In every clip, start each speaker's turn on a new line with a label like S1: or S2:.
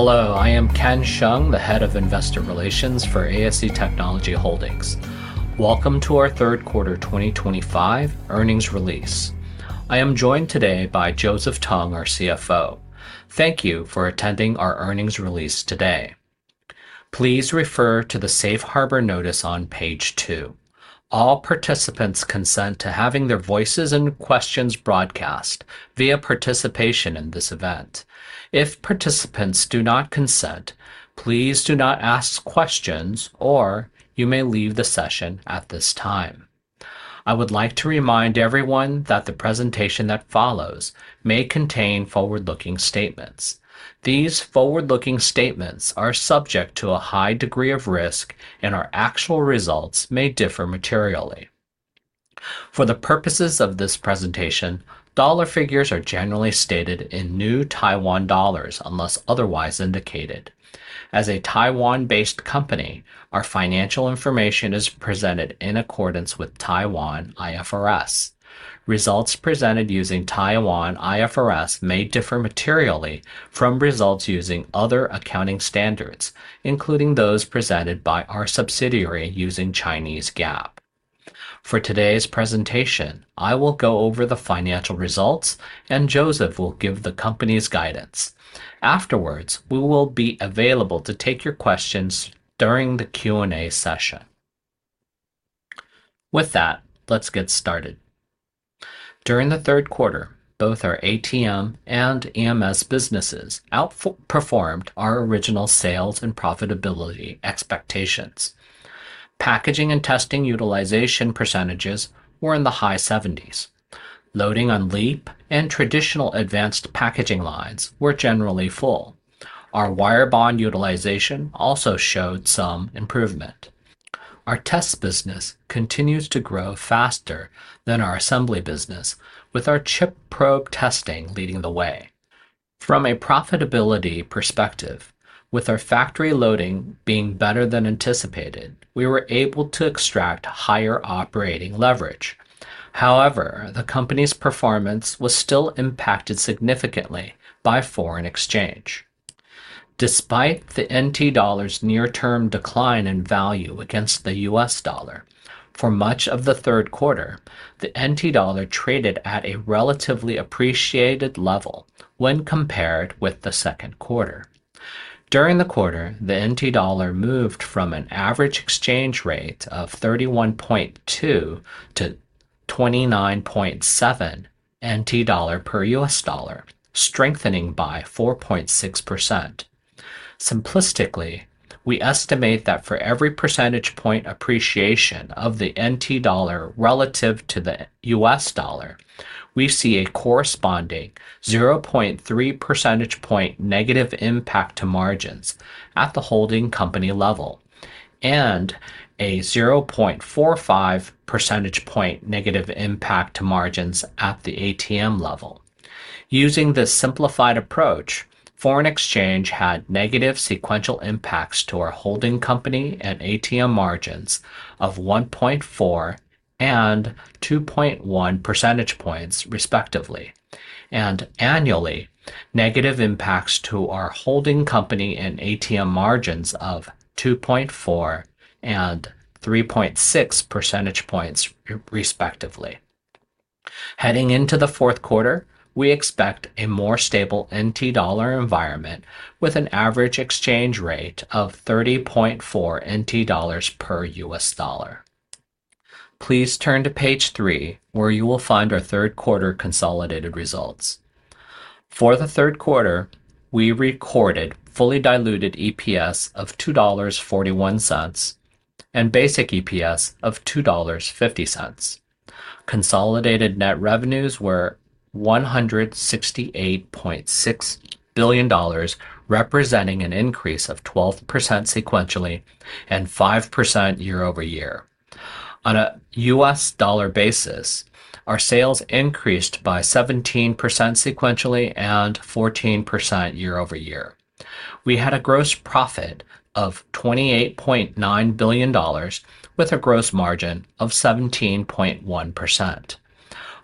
S1: Hello, I am Ken Shung, the Head of Investor Relations for ASE Technology Holdings. Welcome to our third quarter 2025 earnings release. I am joined today by Joseph Tung, our CFO. Thank you for attending our earnings release today. Please refer to the Safe Harbor notice on page two. All participants consent to having their voices and questions broadcast via participation in this event. If participants do not consent, please do not ask questions or you may leave the session at this time. I would like to remind everyone that the presentation that follows may contain forward-looking statements. These forward-looking statements are subject to a high degree of risk and our actual results may differ materially. For the purposes of this presentation, dollar figures are generally stated in New Taiwan dollars unless otherwise indicated. As a Taiwan-based company, our financial information is presented in accordance with Taiwan IFRS. Results presented using Taiwan IFRS may differ materially from results using other accounting standards, including those presented by our subsidiary using Chinese GAAP. For today's presentation, I will go over the financial results and Joseph will give the company's guidance. Afterwards, we will be available to take your questions during the Q&A session. With that, let's get started. During the third quarter, both our ATM and EMS businesses outperformed our original sales and profitability expectations. Packaging and testing utilization percentages were in the high 70s. Loading on LEAP and traditional advanced packaging lines were generally full. Our wire bond utilization also showed some improvement. Our test business continues to grow faster than our assembly business, with our chip probe testing leading the way. From a profitability perspective, with our factory loading being better than anticipated, we were able to extract higher operating leverage. However, the company's performance was still impacted significantly by foreign exchange. Despite the NT dollar's near-term decline in value against the U.S. dollar, for much of the third quarter, the NT dollar traded at a relatively appreciated level when compared with the second quarter. During the quarter, the NT dollar moved from an average exchange rate of 31.2 to 29.7 NT dollar per US dollar, strengthening by 4.6%. Simplistically, we estimate that for every percentage point appreciation of the NT dollar relative to the U.S. dollar, we see a corresponding 0.3% negative impact to margins at the holding company level and a 0.45% negative impact to margins at the ATM level. Using this simplified approach, foreign exchange had negative sequential impacts to our holding company and ATM margins of 1.4% and 2.1%, respectively, and annually negative impacts to our holding company and ATM margins of 2.4% and 3.6%, respectively. Heading into the fourth quarter, we expect a more stable NT dollar environment with an average exchange rate of 30.4 NT dollars per U.S. dollar. Please turn to page three, where you will find our third quarter consolidated results. For the third quarter, we recorded fully diluted EPS of 2.41 dollars and basic EPS of 2.50 dollars. Consolidated net revenues were 168.6 billion dollars, representing an increase of 12% sequentially and 5% year over year. On a U.S. dollar basis, our sales increased by 17% sequentially and 14% year over year. We had a gross profit of 28.9 billion dollars with a gross margin of 17.1%.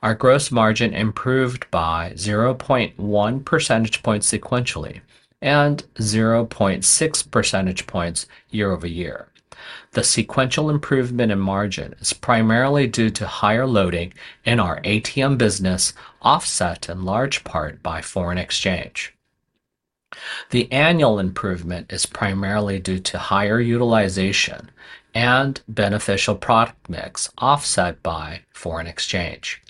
S1: Our gross margin improved by 0.1% sequentially and 0.6% year over year. The sequential improvement in margin is primarily due to higher loading in our ATM business, offset in large part by foreign exchange. The annual improvement is primarily due to higher utilization and beneficial product mix offset by foreign exchange.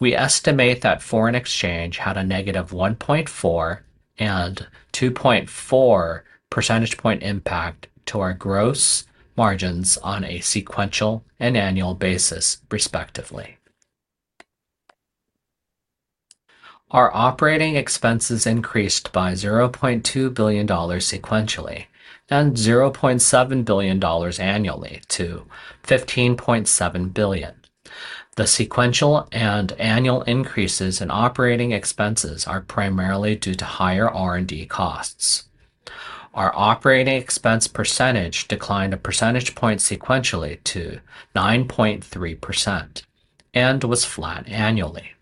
S1: We estimate that foreign exchange had a negative 1.4% and 2.4% impact to our gross margins on a sequential and annual basis, respectively. Our operating expenses increased by TWD 0.2 billion sequentially and TWD 0.7 billion annually to TWD 15.7 billion. The sequential and annual increases in operating expenses are primarily due to higher R&D costs. Our operating expense percentage declined a percentage point sequentially to 9.3% and was flat annually.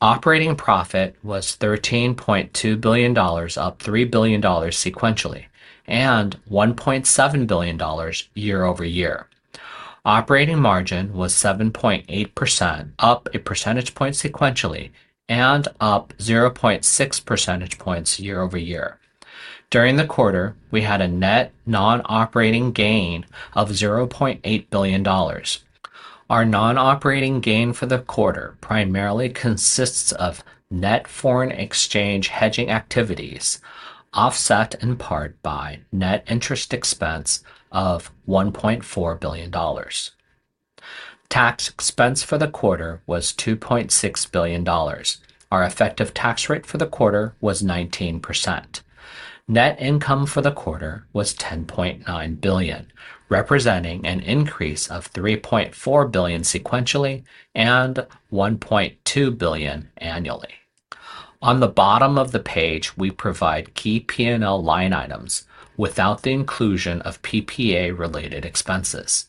S1: Operating profit was 13.2 billion dollars, up 3 billion dollars sequentially, and 1.7 billion dollars year over year. Operating margin was 7.8%, up a percentage point sequentially, and up 0.6% year over year. During the quarter, we had a net non-operating gain of 0.8 billion dollars. Our non-operating gain for the quarter primarily consists of net foreign exchange hedging activities offset in part by net interest expense of 1.4 billion dollars. Tax expense for the quarter was 2.6 billion dollars. Our effective tax rate for the quarter was 19%. Net income for the quarter was 10.9 billion, representing an increase of 3.4 billion sequentially and 1.2 billion annually. On the bottom of the page, we provide key P&L line items without the inclusion of PPA-related expenses.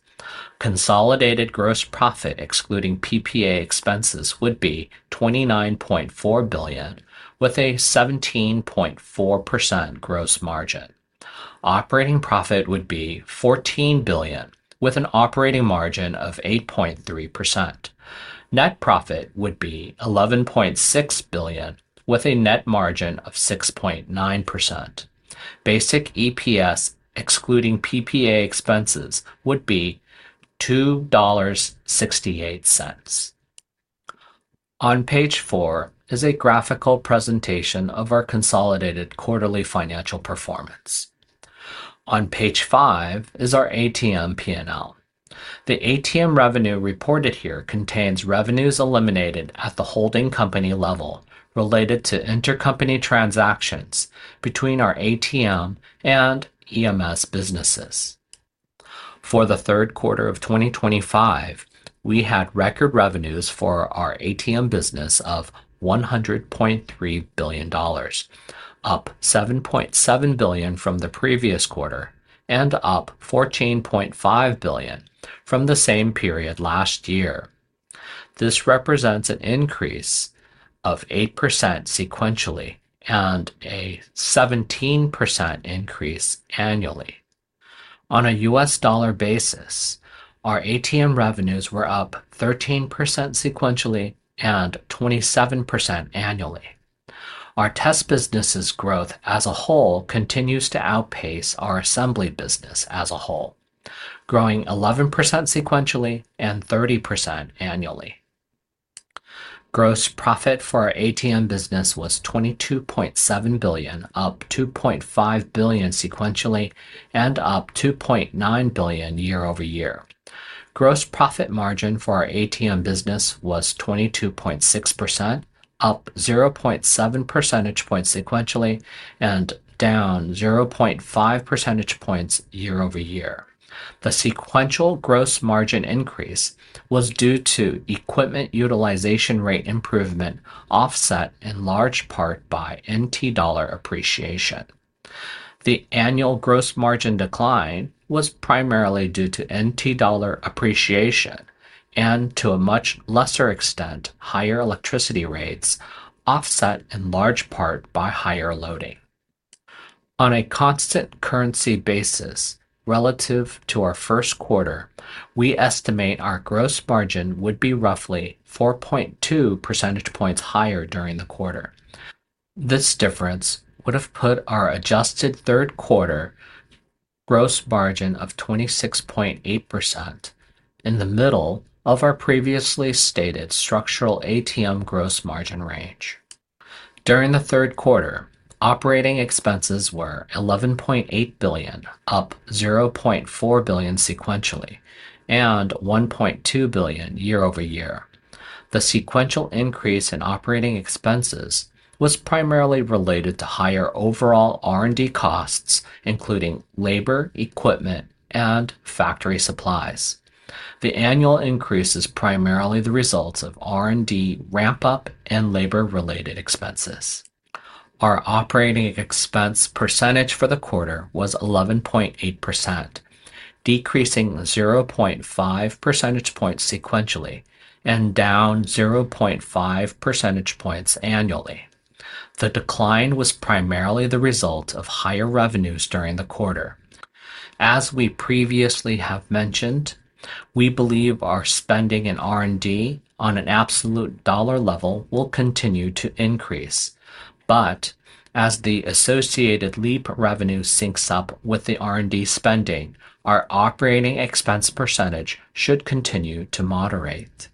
S1: Consolidated gross profit excluding PPA expenses would be 29.4 billion with a 17.4% gross margin. Operating profit would be 14 billion with an operating margin of 8.3%. Net profit would be 11.6 billion with a net margin of 6.9%. Basic EPS excluding PPA expenses would be 2.68 dollars. On page four is a graphical presentation of our consolidated quarterly financial performance. On page five is our ATM P&L. The ATM revenue reported here contains revenues eliminated at the holding company level related to intercompany transactions between our ATM and EMS businesses. For the third quarter of 2025, we had record revenues for our ATM business of 100.3 billion dollars, up 7.7 billion from the previous quarter and up 14.5 billion from the same period last year. This represents an increase of 8% sequentially and a 17% increase annually. On a US dollar basis, our ATM revenues were up 13% sequentially and 27% annually. Our test business's growth as a whole continues to outpace our assembly business as a whole, growing 11% sequentially and 30% annually. Gross profit for our ATM business was 22.7 billion, up 2.5 billion sequentially, and up 2.9 billion year over year. Gross profit margin for our ATM business was 22.6%, up 0.7 percentage points sequentially, and down 0.5 percentage points year over year. The sequential gross margin increase was due to equipment utilization rate improvement, offset in large part by NT dollar appreciation. The annual gross margin decline was primarily due to NT dollar appreciation and, to a much lesser extent, higher electricity rates offset in large part by higher loading. On a constant currency basis relative to our first quarter, we estimate our gross margin would be roughly 4.2 percentage points higher during the quarter. This difference would have put our adjusted third quarter gross margin of 26.8% in the middle of our previously stated structural ATM gross margin range. During the third quarter, operating expenses were 11.8 billion, up 0.4 billion sequentially, and 1.2 billion year over year. The sequential increase in operating expenses was primarily related to higher overall R&D costs, including labor, equipment, and factory supplies. The annual increase is primarily the result of R&D ramp-up and labor-related expenses. Our operating expense percentage for the quarter was 11.8%, decreasing 0.5 percentage points sequentially and down 0.5 percentage points annually. The decline was primarily the result of higher revenues during the quarter. As we previously have mentioned, we believe our spending in R&D on an absolute dollar level will continue to increase, but as the associated LEAP revenue syncs up with the R&D spending, our operating expense percentage should continue to moderate.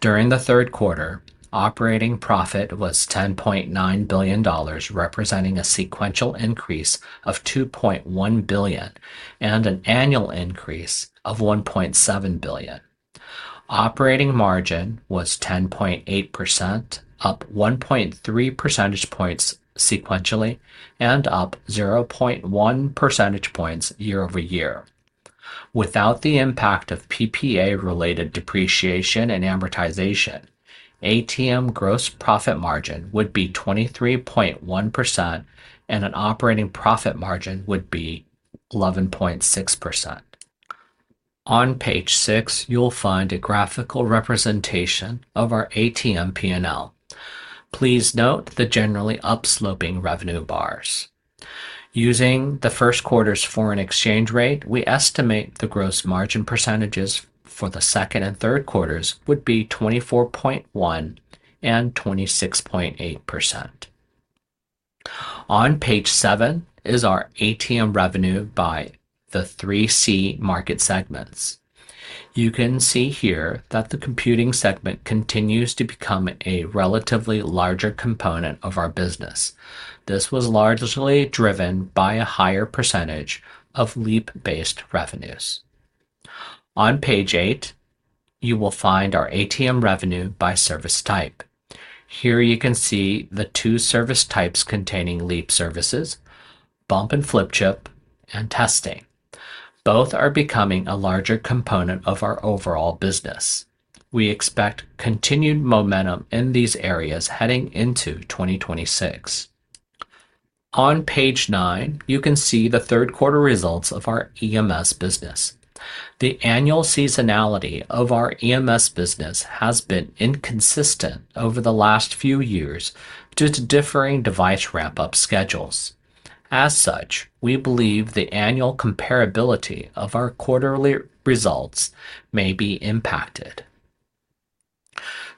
S1: During the third quarter, operating profit was 10.9 billion dollars, representing a sequential increase of 2.1 billion and an annual increase of 1.7 billion. Operating margin was 10.8%, up 1.3 percentage points sequentially, and up 0.1 percentage points year over year. Without the impact of PPA-related depreciation and amortization, ATM gross profit margin would be 23.1% and an operating profit margin would be 11.6%. On page six, you'll find a graphical representation of our ATM P&L. Please note the generally upsloping revenue bars. Using the first quarter's foreign exchange rate, we estimate the gross margin percentages for the second and third quarters would be 24.1% and 26.8%. On page seven is our ATM revenue by the three C market segments. You can see here that the computing segment continues to become a relatively larger component of our business. This was largely driven by a higher percentage of LEAP-based revenues. On page eight, you will find our ATM revenue by service type. Here you can see the two service types containing LEAP services: bump and flip chip and testing. Both are becoming a larger component of our overall business. We expect continued momentum in these areas heading into 2026. On page nine, you can see the third quarter results of our EMS business. The annual seasonality of our EMS business has been inconsistent over the last few years due to differing device wrap-up schedules. As such, we believe the annual comparability of our quarterly results may be impacted.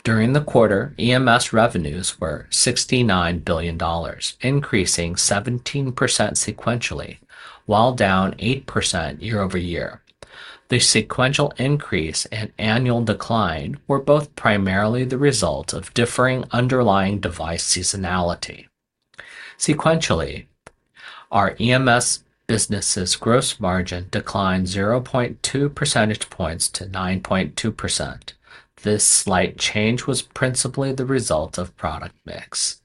S1: During the quarter, EMS revenues were 69 billion dollars, increasing 17% sequentially, while down 8% year over year. The sequential increase and annual decline were both primarily the result of differing underlying device seasonality. Sequentially, our EMS business's gross margin declined 0.2 percentage points to 9.2%. This slight change was principally the result of product mix.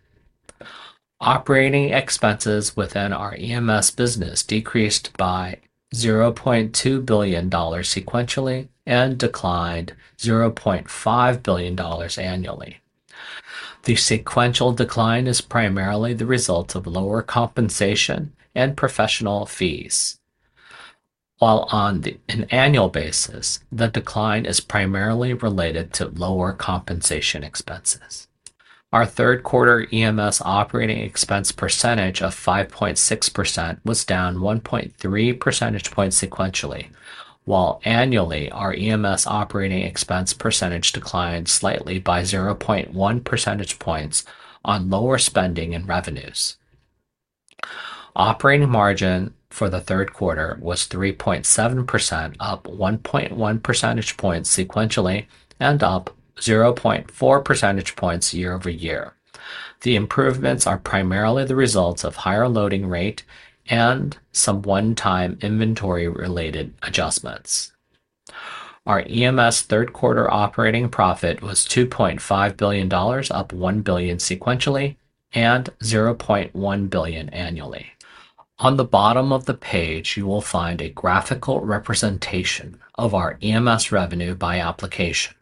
S1: Operating expenses within our EMS business decreased by 0.2 billion dollars sequentially and declined 0.5 billion dollars annually. The sequential decline is primarily the result of lower compensation and professional fees. While on an annual basis, the decline is primarily related to lower compensation expenses. Our third quarter EMS operating expense percentage of 5.6% was down 1.3 percentage points sequentially, while annually our EMS operating expense percentage declined slightly by 0.1 percentage points on lower spending and revenues. Operating margin for the third quarter was 3.7%, up 1.1 percentage points sequentially, and up 0.4 percentage points year over year. The improvements are primarily the results of higher loading rate and some one-time inventory-related adjustments. Our EMS third quarter operating profit was 2.5 billion dollars, up 1 billion sequentially, and 0.1 billion annually. On the bottom of the page, you will find a graphical representation of our EMS revenue by application.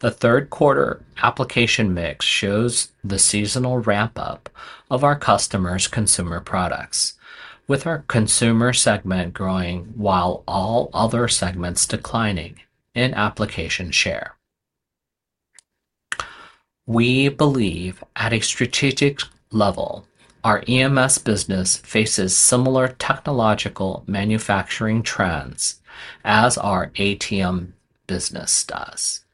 S1: The third quarter application mix shows the seasonal ramp-up of our customers' consumer products, with our consumer segment growing while all other segments declining in application share. We believe at a strategic level, our EMS business faces similar technological manufacturing trends as our ATM business does.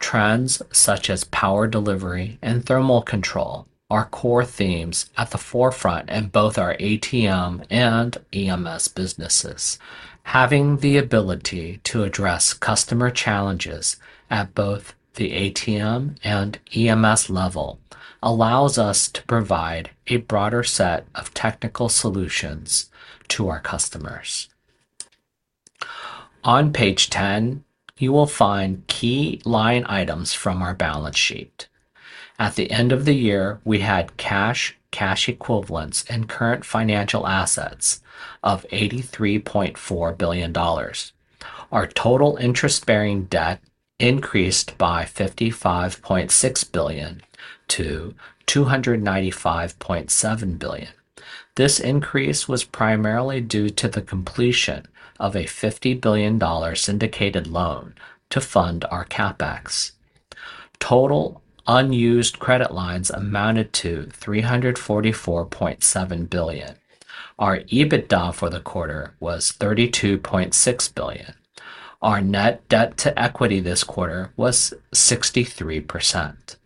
S1: Trends such as power delivery and thermal control are core themes at the forefront in both our ATM and EMS businesses. Having the ability to address customer challenges at both the ATM and EMS level allows us to provide a broader set of technical solutions to our customers. On page 10, you will find key line items from our balance sheet. At the end of the year, we had cash, cash equivalents, and current financial assets of 83.4 billion dollars. Our total interest-bearing debt increased by 55.6 billion to 295.7 billion. This increase was primarily due to the completion of a 50 billion dollar syndicated loan to fund our CapEx. Total unused credit lines amounted to 344.7 billion. Our EBITDA for the quarter was 32.6 billion. Our net debt to equity this quarter was 63%.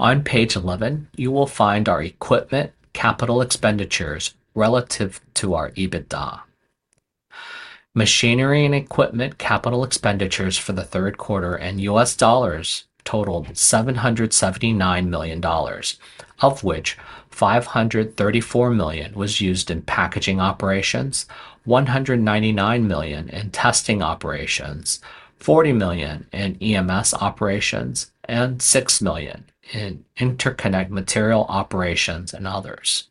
S1: On page 11, you will find our equipment capital expenditures relative to our EBITDA. Machinery and equipment capital expenditures for the third quarter in U.S. dollars totaled $779 million, of which $534 million was used in packaging operations, $199 million in testing operations, $40 million in EMS operations, and $6 million in interconnect material operations and others.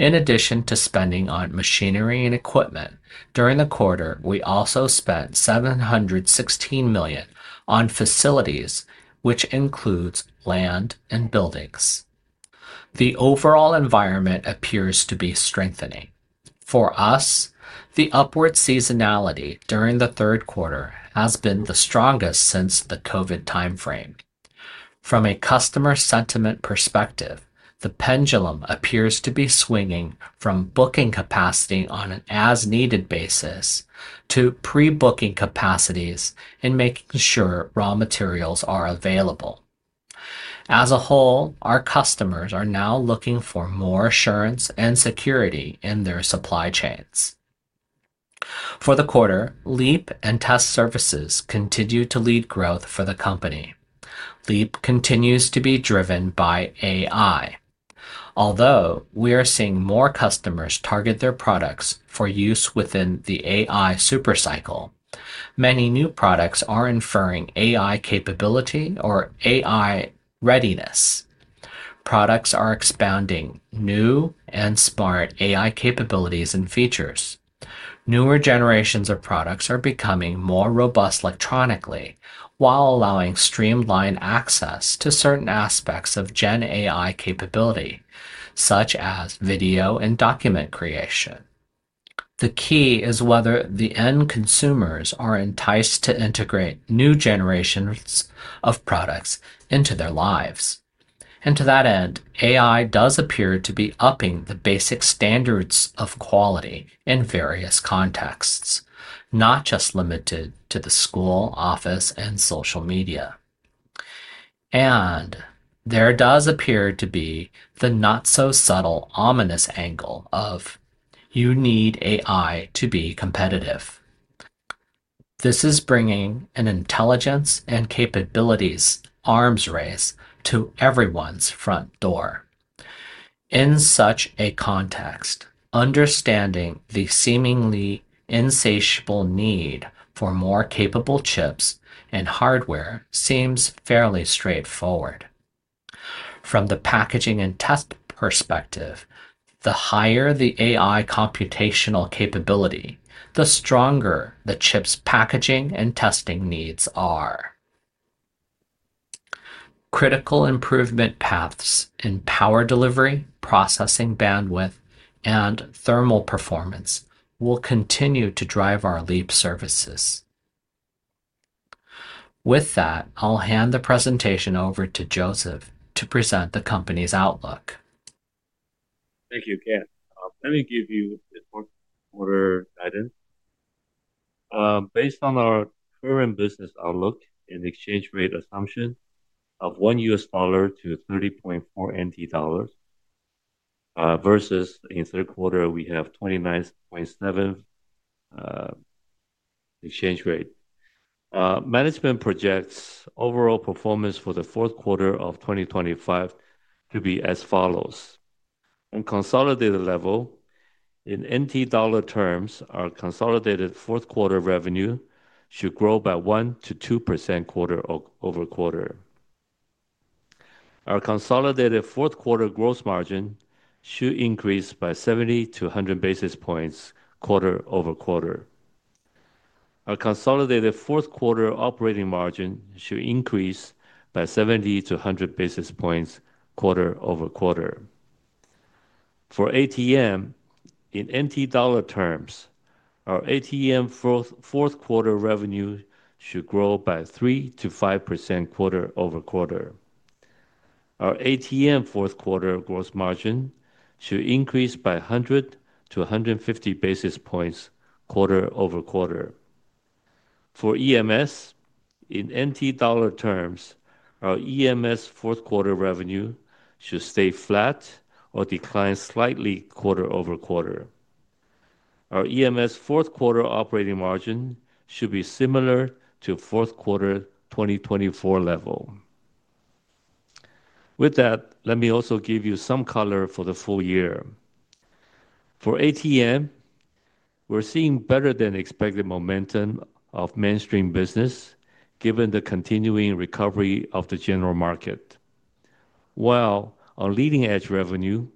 S1: In addition to spending on machinery and equipment during the quarter, we also spent $716 million on facilities, which includes land and buildings. The overall environment appears to be strengthening. For us, the upward seasonality during the third quarter has been the strongest since the COVID timeframe. From a customer sentiment perspective, the pendulum appears to be swinging from booking capacity on an as-needed basis to pre-booking capacities and making sure raw materials are available. As a whole, our customers are now looking for more assurance and security in their supply chains. For the quarter, LEAP and test services continue to lead growth for the company. LEAP continues to be driven by AI. Although we are seeing more customers target their products for use within the AI supercycle, many new products are inferring AI capability or AI readiness. Products are expounding new and smart AI capabilities and features. Newer generations of products are becoming more robust electronically while allowing streamlined access to certain aspects of Gen AI capability, such as video and document creation. The key is whether the end consumers are enticed to integrate new generations of products into their lives. To that end, AI does appear to be upping the basic standards of quality in various contexts, not just limited to the school, office, and social media. There does appear to be the not-so-subtle ominous angle of you need AI to be competitive. This is bringing an intelligence and capabilities arms race to everyone's front door. In such a context, understanding the seemingly insatiable need for more capable chips and hardware seems fairly straightforward. From the packaging and test perspective, the higher the AI computational capability, the stronger the chip's packaging and testing needs are. Critical improvement paths in power delivery, processing bandwidth, and thermal performance will continue to drive our LEAP services. With that, I'll hand the presentation over to Joseph to present the company's outlook.
S2: Thank you, Ken. Let me give you the fourth quarter guidance. Based on our current business outlook and exchange rate assumption of $1 to 30.4 NT dollars versus in the third quarter, we have 29.7 exchange rate, management projects overall performance for the fourth quarter of 2025 to be as follows. On a consolidated level, in NT dollar terms, our consolidated fourth quarter revenue should grow by 1%-2% quarter over quarter. Our consolidated fourth quarter gross margin should increase by 70 basis points-100 basis points quarter over quarter. Our consolidated fourth quarter operating margin should increase by 70 basis points-100 basis points quarter over quarter. For ATM, in NT dollar terms, our ATM fourth quarter revenue should grow by 3%-5% quarter over quarter. Our ATM fourth quarter gross margin should increase by 100 basis points-150 basis points quarter over quarter. For EMS, in NT dollar terms, our EMS fourth quarter revenue should stay flat or decline slightly quarter over quarter. Our EMS fourth quarter operating margin should be similar to the fourth quarter 2024 level. With that, let me also give you some color for the full year. For ATM, we're seeing better than expected momentum of mainstream business given the continuing recovery of the general market. While on leading-edge revenue,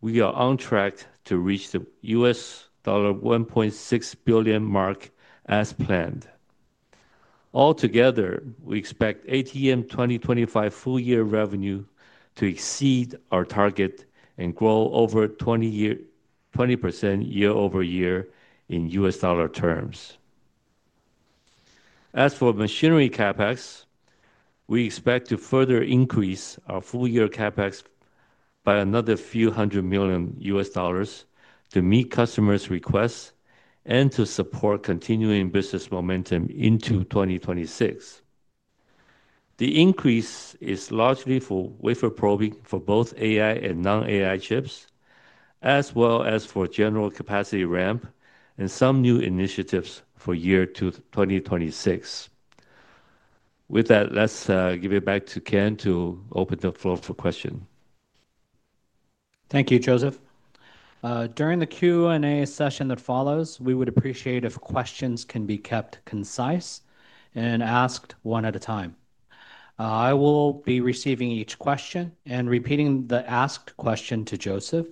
S2: we are on track to reach the $1.6 billion mark as planned. Altogether, we expect ATM 2025 full-year revenue to exceed our target and grow over 20% year over year in U.S. dollar terms. As for machinery CapEx, we expect to further increase our full-year CapEx by another few hundred million U.S. dollars to meet customers' requests and to support continuing business momentum into 2026. The increase is largely for wafer probing for both AI and non-AI chips, as well as for general capacity ramp and some new initiatives for year 2026. With that, let's give it back to Ken to open the floor for questions.
S1: Thank you, Joseph. During the Q&A session that follows, we would appreciate if questions can be kept concise and asked one at a time. I will be receiving each question and repeating the asked question to Joseph.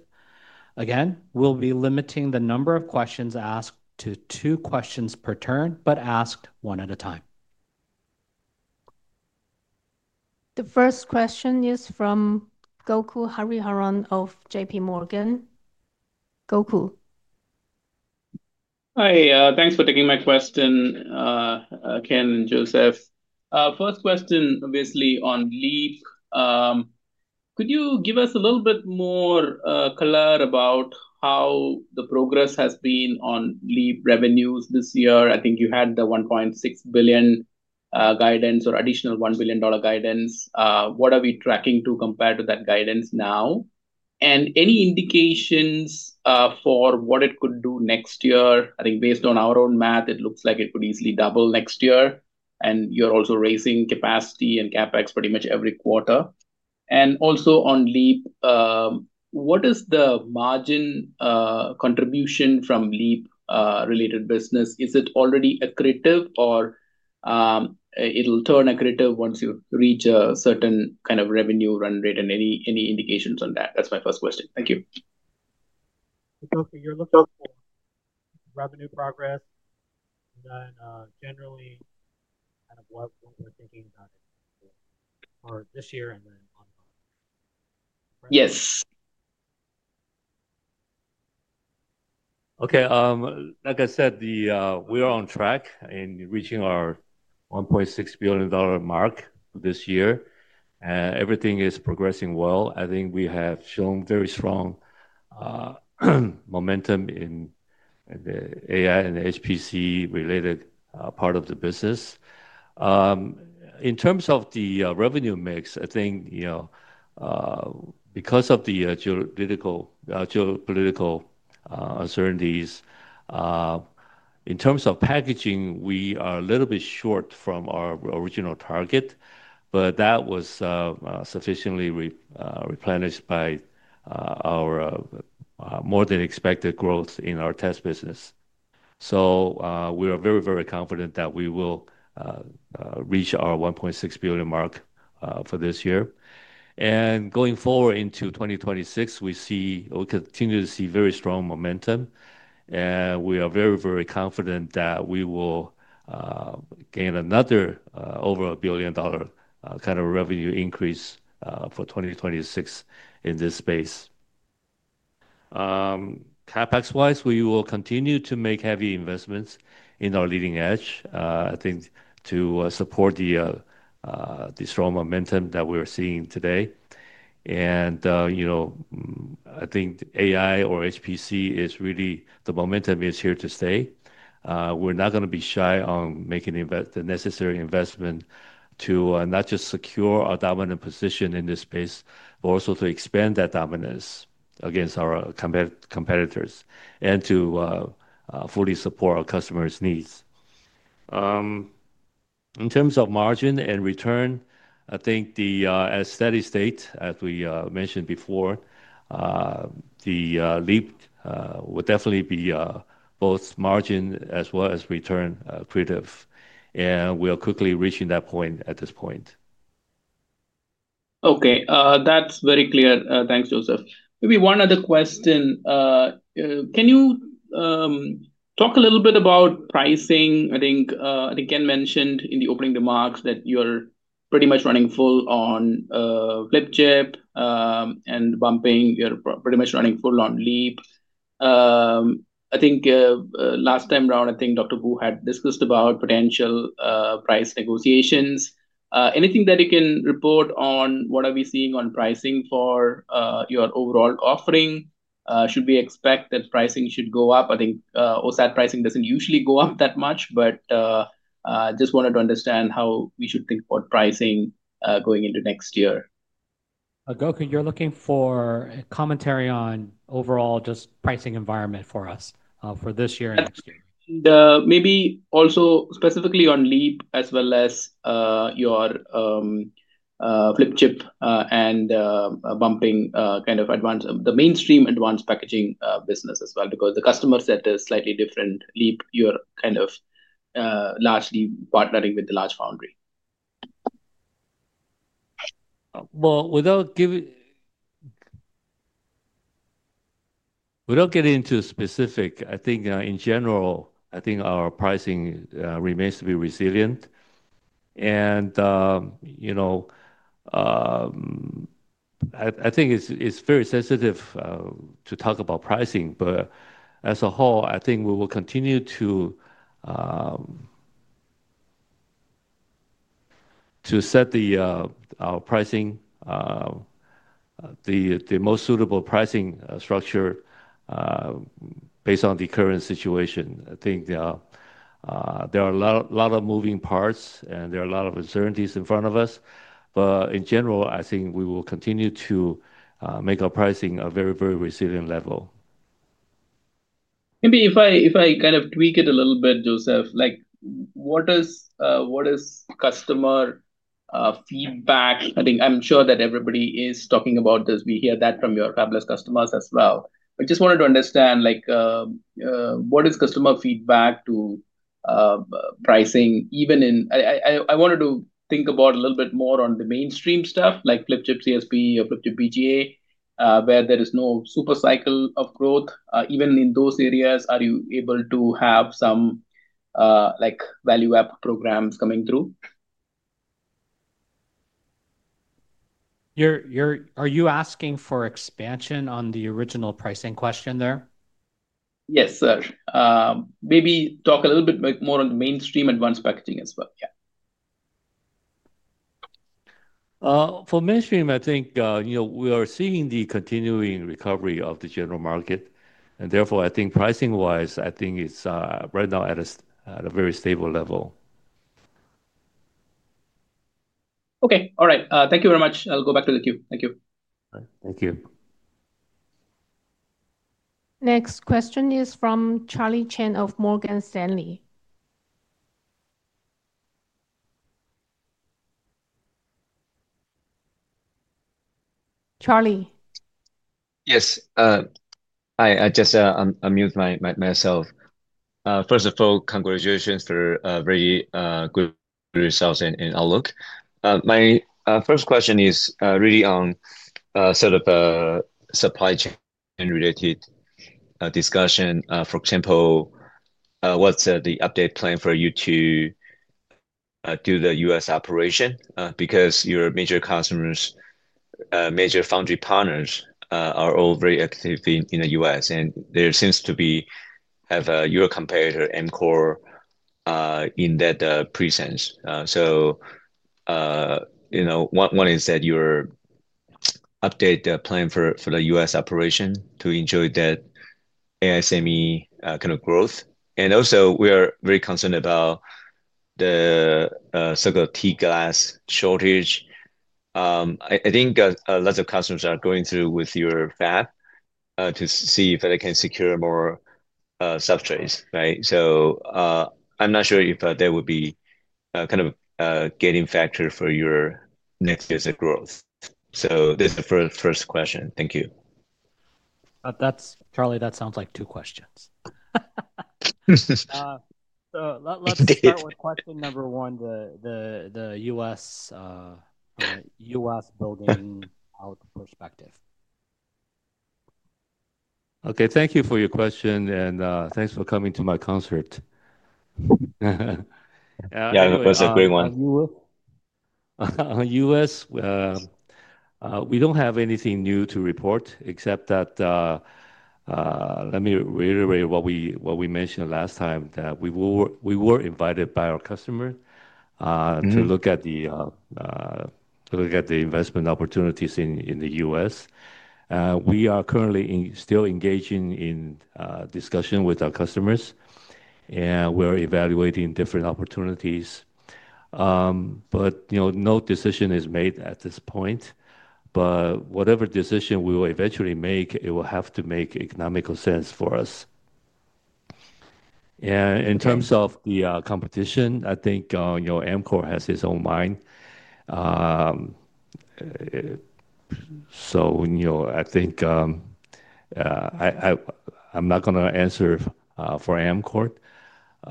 S1: Again, we'll be limiting the number of questions asked to two questions per turn, but asked one at a time.
S3: The first question is from Gokul Hariharan of JPMorgan. Gokul.
S4: Hi, thanks for taking my question, Ken and Joseph. First question, obviously on LEAP. Could you give us a little bit more color about how the progress has been on LEAP revenues this year? I think you had the $1.6 billion guidance or additional $1 billion guidance. What are we tracking to compare to that guidance now? Any indications for what it could do next year? I think based on our own math, it looks like it could easily double next year. You're also raising capacity and CapEx pretty much every quarter. Also on LEAP, what is the margin contribution from LEAP-related business? Is it already accretive or it'll turn accretive once you reach a certain kind of revenue run rate? Any indications on that? That's my first question. Thank you.
S2: You're looking for revenue progress and then generally kind of what we're thinking about for this year and then on and off. Yes. Okay. Like I said, we are on track in reaching our $1.6 billion mark this year. Everything is progressing well. I think we have shown very strong momentum in the AI and HPC-related part of the business. In terms of the revenue mix, I think because of the geopolitical uncertainties, in terms of packaging, we are a little bit short from our original target, but that was sufficiently replenished by our more than expected growth in our test business. We are very, very confident that we will reach our $1.6 billion mark for this year. Going forward into 2026, we continue to see very strong momentum. We are very, very confident that we will gain another over a billion dollar kind of revenue increase for 2026 in this space. CapEx-wise, we will continue to make heavy investments in our leading edge, I think, to support the strong momentum that we are seeing today. I think AI or HPC is really the momentum is here to stay. We're not going to be shy on making the necessary investment to not just secure our dominant position in this space, but also to expand that dominance against our competitors and to fully support our customers' needs. In terms of margin and return, I think as a steady state, as we mentioned before, the LEAP will definitely be both margin as well as return accretive. We are quickly reaching that point at this point.
S4: Okay. That's very clear. Thanks, Joseph. Maybe one other question. Can you talk a little bit about pricing? I think Ken mentioned in the opening remarks that you're pretty much running full on flip chip and bumping. You're pretty much running full on LEAP. I think last time around, I think Dr. Wu had discussed about potential price negotiations. Anything that you can report on? What are we seeing on pricing for your overall offering? Should we expect that pricing should go up? I think OSAT pricing doesn't usually go up that much, but I just wanted to understand how we should think about pricing going into next year.
S1: Gokul, you're looking for a commentary on overall just pricing environment for us for this year and next year.
S4: Maybe also specifically on LEAP as well as your flip chip and bumping, kind of the mainstream advanced packaging business as well, because the customer set is slightly different. LEAP, you're kind of largely partnering with the large foundry.
S2: Without getting into specifics, I think in general, our pricing remains to be resilient. I think it's very sensitive to talk about pricing, but as a whole, we will continue to set our pricing, the most suitable pricing structure based on the current situation. There are a lot of moving parts and there are a lot of uncertainties in front of us. In general, we will continue to make our pricing a very, very resilient level.
S4: Maybe if I kind of tweak it a little bit, Joseph, like what is customer feedback? I'm sure that everybody is talking about this. We hear that from your fabulous customers as well. I just wanted to understand, like what is customer feedback to pricing? I wanted to think about a little bit more on the mainstream stuff, like flip chip CSP or flip chip BGA, where there is no supercycle of growth. Even in those areas, are you able to have some value-add programs coming through?
S1: Are you asking for expansion on the original pricing question?
S4: Yes, sir. Maybe talk a little bit more on the mainstream advanced packaging as well.
S2: For mainstream, I think we are seeing the continuing recovery of the general market. Therefore, I think pricing-wise, I think it's right now at a very stable level.
S4: Okay. All right. Thank you very much. I'll go back to the queue. Thank you.
S2: Thank you.
S3: Next question is from Charlie Chan of Morgan Stanley. Charlie?
S5: Yes. Hi, I just unmuted myself. First of all, congratulations for very good results and outlook. My first question is really on sort of a supply chain-related discussion. For example, what's the update plan for you to do the U.S. operation? Because your major customers, major foundry partners are all very active in the U.S.. There seems to be your competitor, M-Core, in that presence. One is that your update plan for the U.S. operation to ensure that ASE kind of growth. Also, we are very concerned about the so-called T-glass shortage. I think lots of customers are going through with your fab to see if they can secure more substrates, right? I'm not sure if that would be kind of a gaining factor for your next year's growth. This is the first question. Thank you.
S1: Charlie, that sounds like two questions.
S5: Let's start with question number one, the U.S. building out perspective.
S2: Okay. Thank you for your question and thanks for coming to my concert. Yeah, it was a great one. On the U.S., we don't have anything new to report except that let me reiterate what we mentioned last time, that we were invited by our customer to look at the investment opportunities in the U.S. We are currently still engaging in discussion with our customers, and we're evaluating different opportunities. No decision is made at this point. Whatever decision we will eventually make, it will have to make economical sense for us. In terms of the competition, I think M-Core has its own mind. I think I'm not going to answer for M-Core.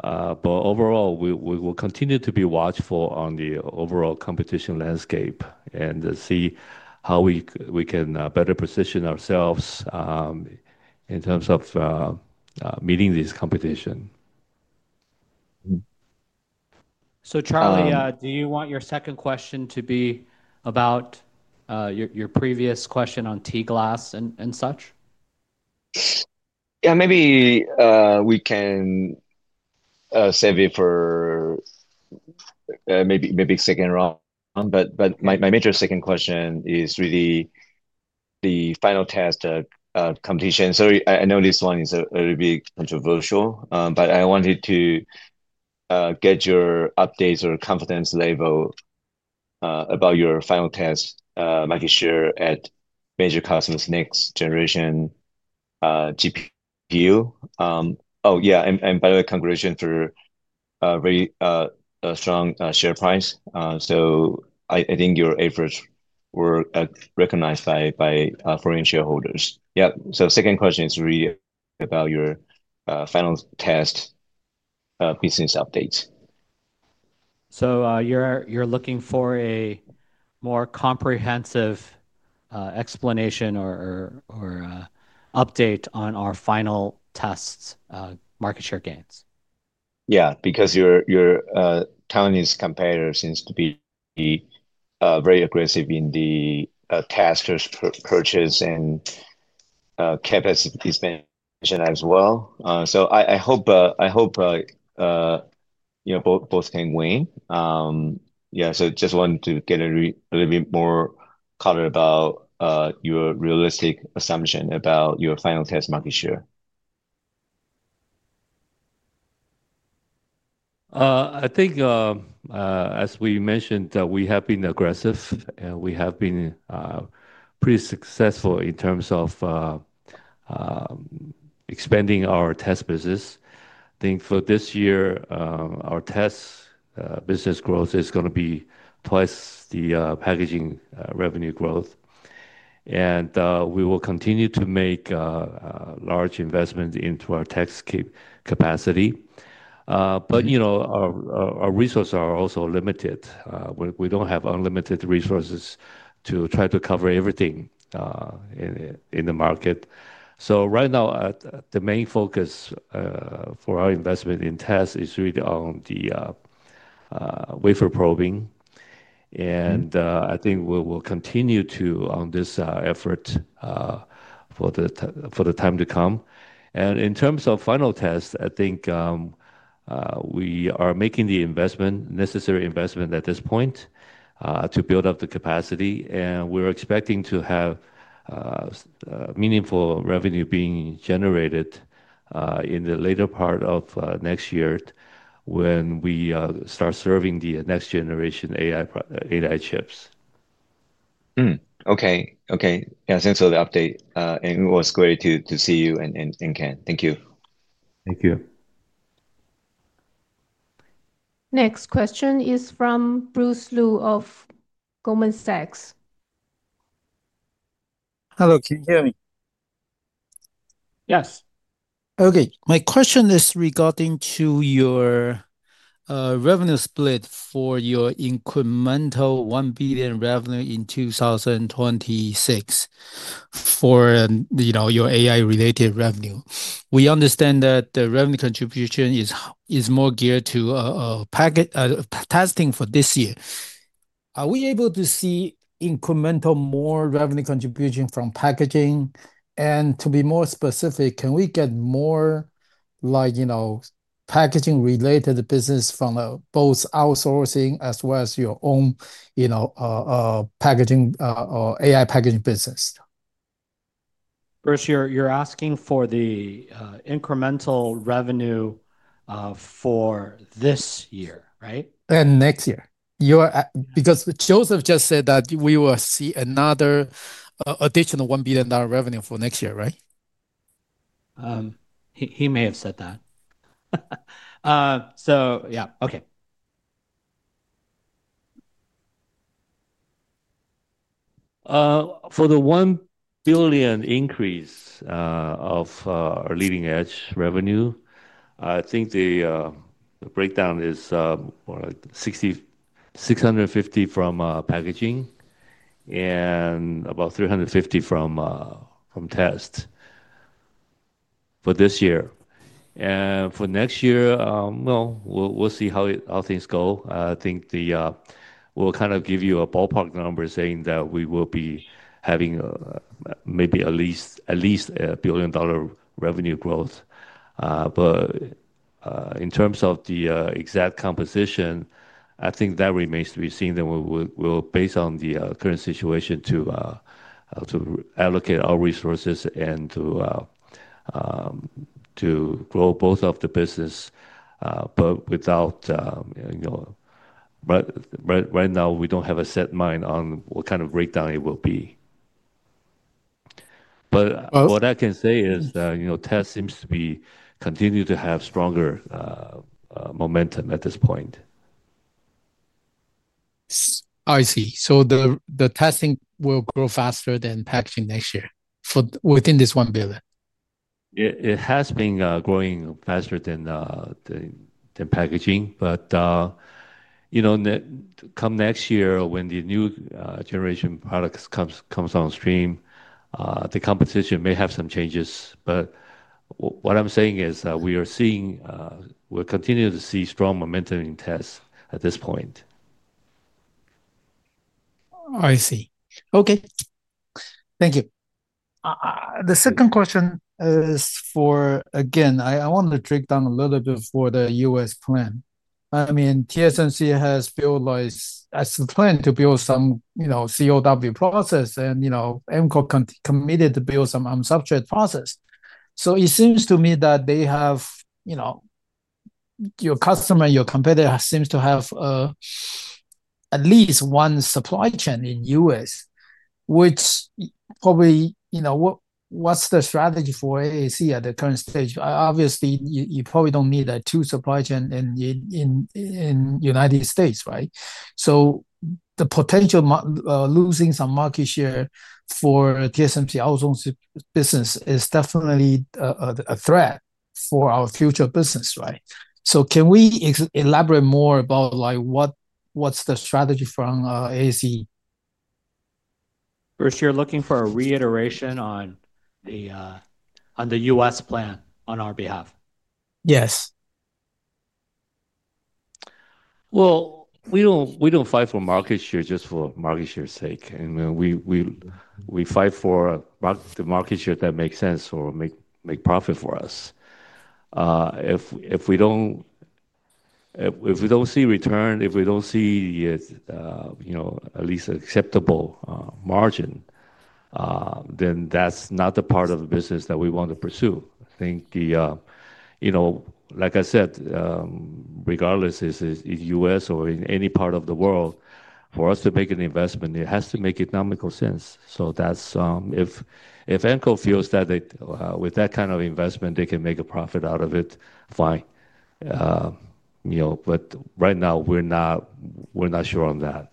S2: Overall, we will continue to be watchful on the overall competition landscape and see how we can better position ourselves in terms of meeting this competition.
S1: Charlie, do you want your second question to be about your previous question on T-glass and such?
S5: Maybe we can save it for the second round. My major second question is really the final test of competition. I know this one is a little bit controversial, but I wanted to get your updates or confidence level about your final test, making sure at major customers' next generation GPU. By the way, congratulations for a very strong share price. I think your efforts were recognized by foreign shareholders. The second question is really about your final test business update.
S1: You're looking for a more comprehensive explanation or update on our final test's market share gains?
S5: Yeah, because your Chinese competitor seems to be very aggressive in the testers' purchase and capacity expansion as well. I hope both can win. I just wanted to get a little bit more color about your realistic assumption about your final test market share.
S2: I think, as we mentioned, we have been aggressive and we have been pretty successful in terms of expanding our test business. I think for this year, our test business growth is going to be twice the packaging revenue growth. We will continue to make large investments into our test capacity. You know our resources are also limited. We don't have unlimited resources to try to cover everything in the market. Right now, the main focus for our investment in tests is really on the wafer probing. I think we will continue on this effort for the time to come. In terms of final tests, I think we are making the necessary investment at this point to build up the capacity. We're expecting to have meaningful revenue being generated in the later part of next year when we start serving the next generation AI chips.
S5: Okay. Yeah. Thanks for the update. It was great to see you and Ken. Thank you.
S2: Thank you.
S3: Next question is from Bruce Lu of Goldman Sachs.
S6: Hello. Can you hear me?
S1: Yes.
S6: Okay. My question is regarding your revenue split for your incremental $1 billion revenue in 2026 for your AI-related revenue. We understand that the revenue contribution is more geared to testing for this year. Are we able to see incremental more revenue contribution from packaging? To be more specific, can we get more like packaging-related business from both outsourcing as well as your own AI packaging business?
S1: Bruce, you're asking for the incremental annual revenue for this year, right?
S6: Next year, because Joseph just said that we will see another additional $1 billion revenue for next year, right?
S1: He may have said that. Yeah, okay.
S2: For the $1 billion increase of leading-edge revenue, I think the breakdown is $650 million from packaging and about $350 million from test for this year. For next year, we'll see how things go. I think we'll kind of give you a ballpark number saying that we will be having maybe at least a $1 billion revenue growth. In terms of the exact composition, I think that remains to be seen. Based on the current situation, we'll allocate our resources to grow both of the business. Right now, we don't have a set mind on what kind of breakdown it will be. What I can say is that test seems to continue to have stronger momentum at this point.
S6: I see. The testing will grow faster than packaging next year within this $1 billion?
S2: It has been growing faster than packaging. You know, come next year, when the new generation products come on stream, the competition may have some changes. What I'm saying is that we are seeing we'll continue to see strong momentum in tests at this point.
S6: I see. Okay, thank you. The second question is for, again, I want to drill down a little bit for the U.S. plan. I mean, TSMC has built, like, has a plan to build some CoWoS process, and M-Core committed to build some substrate process. It seems to me that your customer and your competitor seem to have at least one supply chain in the U.S., which probably, you know, what's the strategy for ASE at the current stage? Obviously, you probably don't need two supply chains in the United States, right? The potential of losing some market share for TSMC's own business is definitely a threat for our future business, right? Can we elaborate more about what's the strategy from ASE?
S1: Bruce, you're looking for a reiteration on the U.S. plan on our behalf?
S6: Yes.
S2: We don't fight for market share just for market share's sake. We fight for the market share that makes sense or makes profit for us. If we don't see return, if we don't see at least an acceptable margin, then that's not the part of the business that we want to pursue. I think, like I said, regardless if it's in the U.S. or in any part of the world, for us to make an investment, it has to make economical sense. If M-Core feels that with that kind of investment, they can make a profit out of it, fine. Right now, we're not sure on that.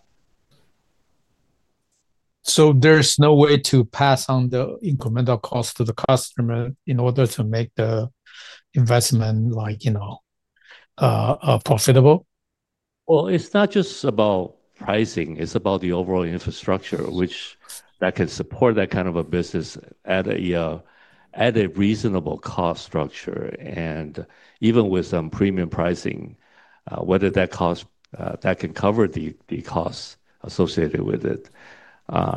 S6: There's no way to pass on the incremental cost to the customer in order to make the investment, like, you know, profitable?
S2: It's not just about pricing.It's about the overall infrastructure, which can support that kind of a business at a reasonable cost structure. Even with some premium pricing, whether that can cover the costs associated with it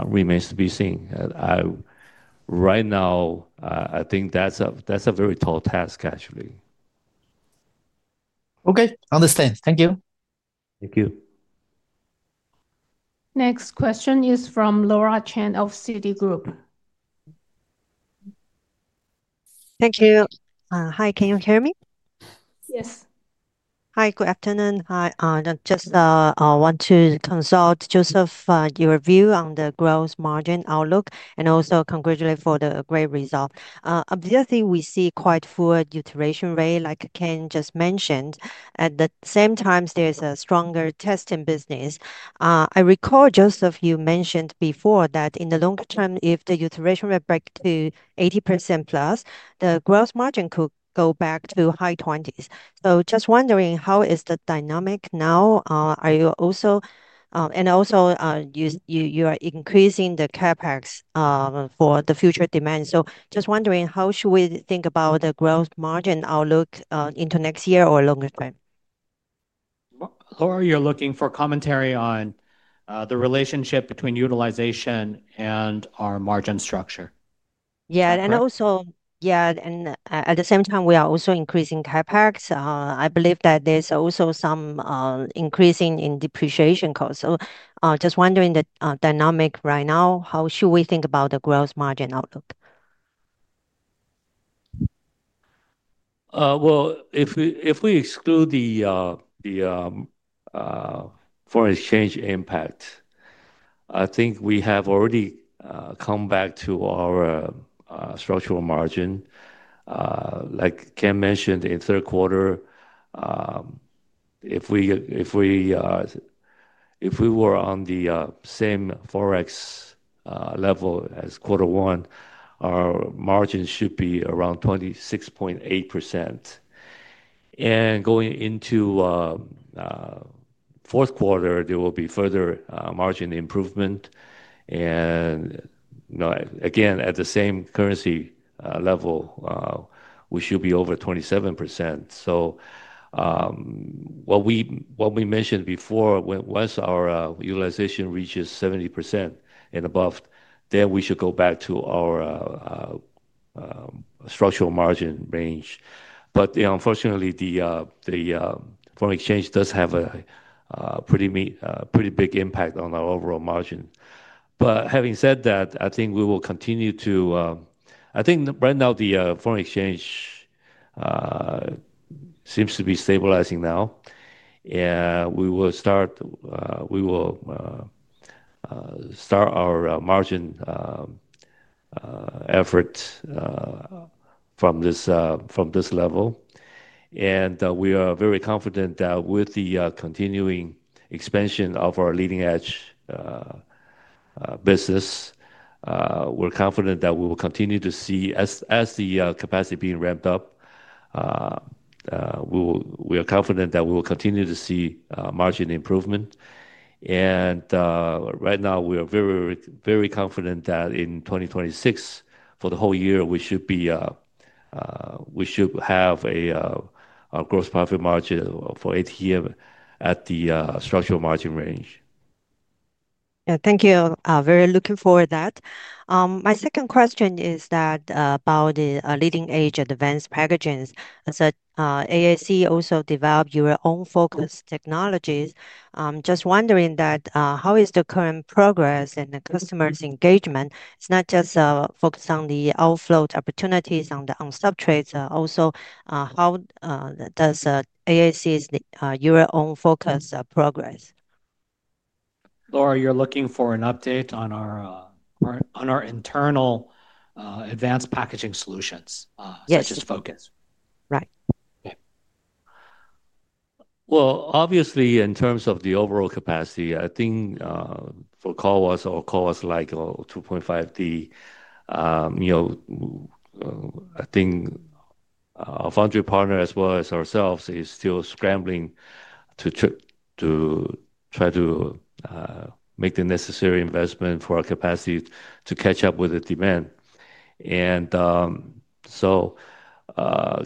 S2: remains to be seen. Right now, I think that's a very tall task, actually.
S1: Okay. Understand. Thank you.
S2: Thank you.
S3: Next question is from Laura Chen of Citigroup.
S7: Thank you. Hi, can you hear me?
S3: Yes.
S7: Hi, good afternoon. I just want to consult Joseph, your view on the gross margin outlook, and also congratulate for the great result. Obviously, we see quite a full utilization rate, like Ken just mentioned. At the same time, there's a stronger testing business. I recall, Joseph, you mentioned before that in the longer term, if the utilization rate breaks to 80%+, the gross margin could go back to high 20s. Just wondering, how is the dynamic now? Are you also, and also you are increasing the CapEx for the future demand? Just wondering, how should we think about the gross margin outlook into next year or longer term?
S1: Laura, you're looking for commentary on the relationship between utilization and our margin structure.
S7: At the same time, we are also increasing CapEx. I believe that there's also some increase in depreciation costs. Just wondering, the dynamic right now, how should we think about the gross margin outlook?
S2: If we exclude the foreign exchange impact, I think we have already come back to our structural margin. Like Ken mentioned in the third quarter, if we were on the same forex level as quarter one, our margin should be around 26.8%. Going into the fourth quarter, there will be further margin improvement. At the same currency level, we should be over 27%. What we mentioned before, once our utilization reaches 70% and above, then we should go back to our structural margin range. Unfortunately, the foreign exchange does have a pretty big impact on our overall margin. Having said that, I think right now the foreign exchange seems to be stabilizing. We will start our margin effort from this level. We are very confident that with the continuing expansion of our leading-edge business, we're confident that we will continue to see, as the capacity is being ramped up, we are confident that we will continue to see margin improvement. Right now, we are very, very confident that in 2026, for the whole year, we should have a gross profit margin for ATM at the structural margin range.
S7: Yeah, thank you. Very looking forward to that. My second question is about the Leading-Edge Advanced Packaging. ASE also developed your own FOCoS technologies. Just wondering how is the current progress and the customers' engagement? It's not just focused on the outflow opportunities on the substrate, also, how does ASE's your own FOCoS progress?
S1: Laura, you're looking for an update on our internal advanced packaging solutions, such as FOCoS.
S7: Yes. Right.
S2: Okay. Obviously, in terms of the overall capacity, I think for CoWoS or CoWoS-like 2.5D, I think our foundry partner, as well as ourselves, is still scrambling to try to make the necessary investment for our capacity to catch up with the demand.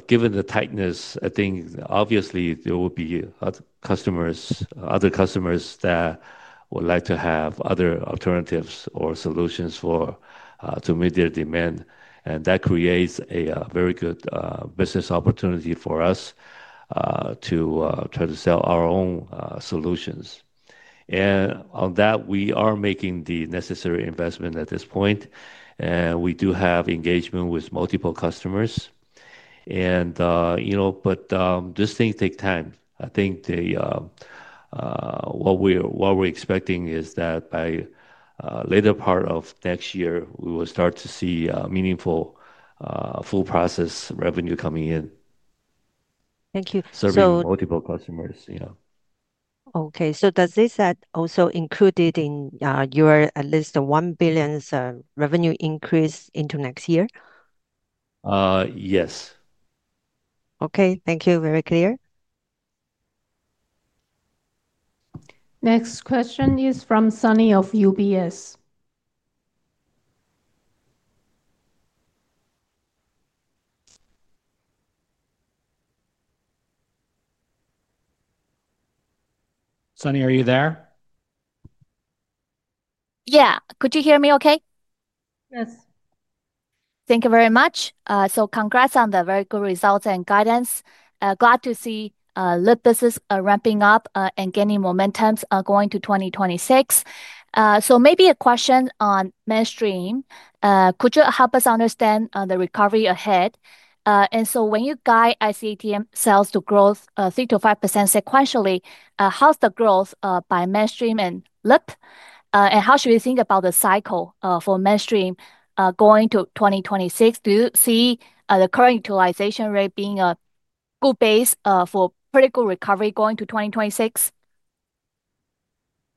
S2: Given the tightness, I think there will be other customers that would like to have other alternatives or solutions to meet their demand. That creates a very good business opportunity for us to try to sell our own solutions. On that, we are making the necessary investment at this point. We do have engagement with multiple customers, but these things take time. I think what we're expecting is that by the later part of next year, we will start to see meaningful full process revenue coming in.
S7: Thank you.
S2: Serving multiple customers. Yeah.
S7: Okay. Does this also include your at least $1 billion revenue increase into next year?
S2: Yes.
S7: Okay, thank you. Very clear.
S3: Next question is from Sunny of UBS.
S1: Sunny, are you there?
S8: Yeah, could you hear me okay?
S3: Yes.
S8: Thank you very much. Congrats on the very good results and guidance. Glad to see LEAP business ramping up and gaining momentum going to 2026. Maybe a question on mainstream. Could you help us understand the recovery ahead? When you guide ICTM sales to grow 3%-5% sequentially, how's the growth by mainstream and LEAP? How should we think about the cycle for mainstream going to 2026? Do you see the current utilization rate being a good base for critical recovery going to 2026?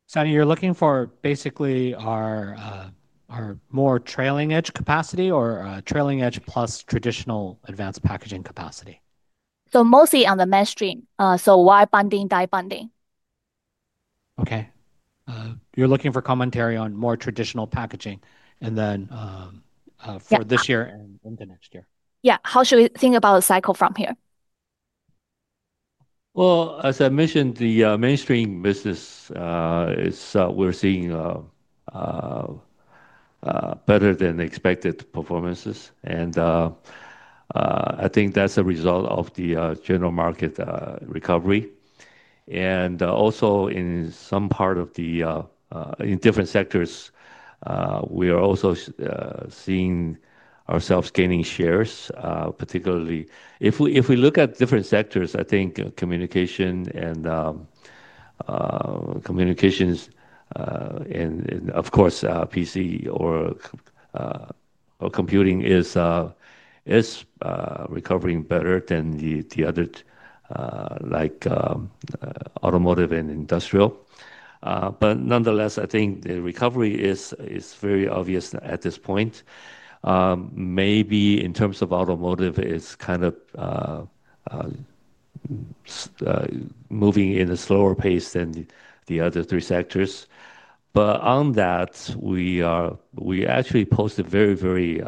S1: Sunny, you're looking for basically our more trailing-edge capacity or trailing-edge plus traditional advanced packaging capacity?
S8: Mostly on the mainstream, so wire bonding, tier bonding.
S1: Okay. You're looking for commentary on more traditional packaging for this year and into next year.
S8: Yeah, how should we think about the cycle from here?
S2: As I mentioned, the mainstream business is we're seeing better than expected performances. I think that's a result of the general market recovery. Also, in some part of the in different sectors, we are also seeing ourselves gaining shares. Particularly, if we look at different sectors, I think communications and, of course, PC or computing is recovering better than the other, like automotive and industrial. Nonetheless, I think the recovery is very obvious at this point. Maybe in terms of automotive, it's kind of moving in a slower pace than the other three sectors. On that, we actually posted very, very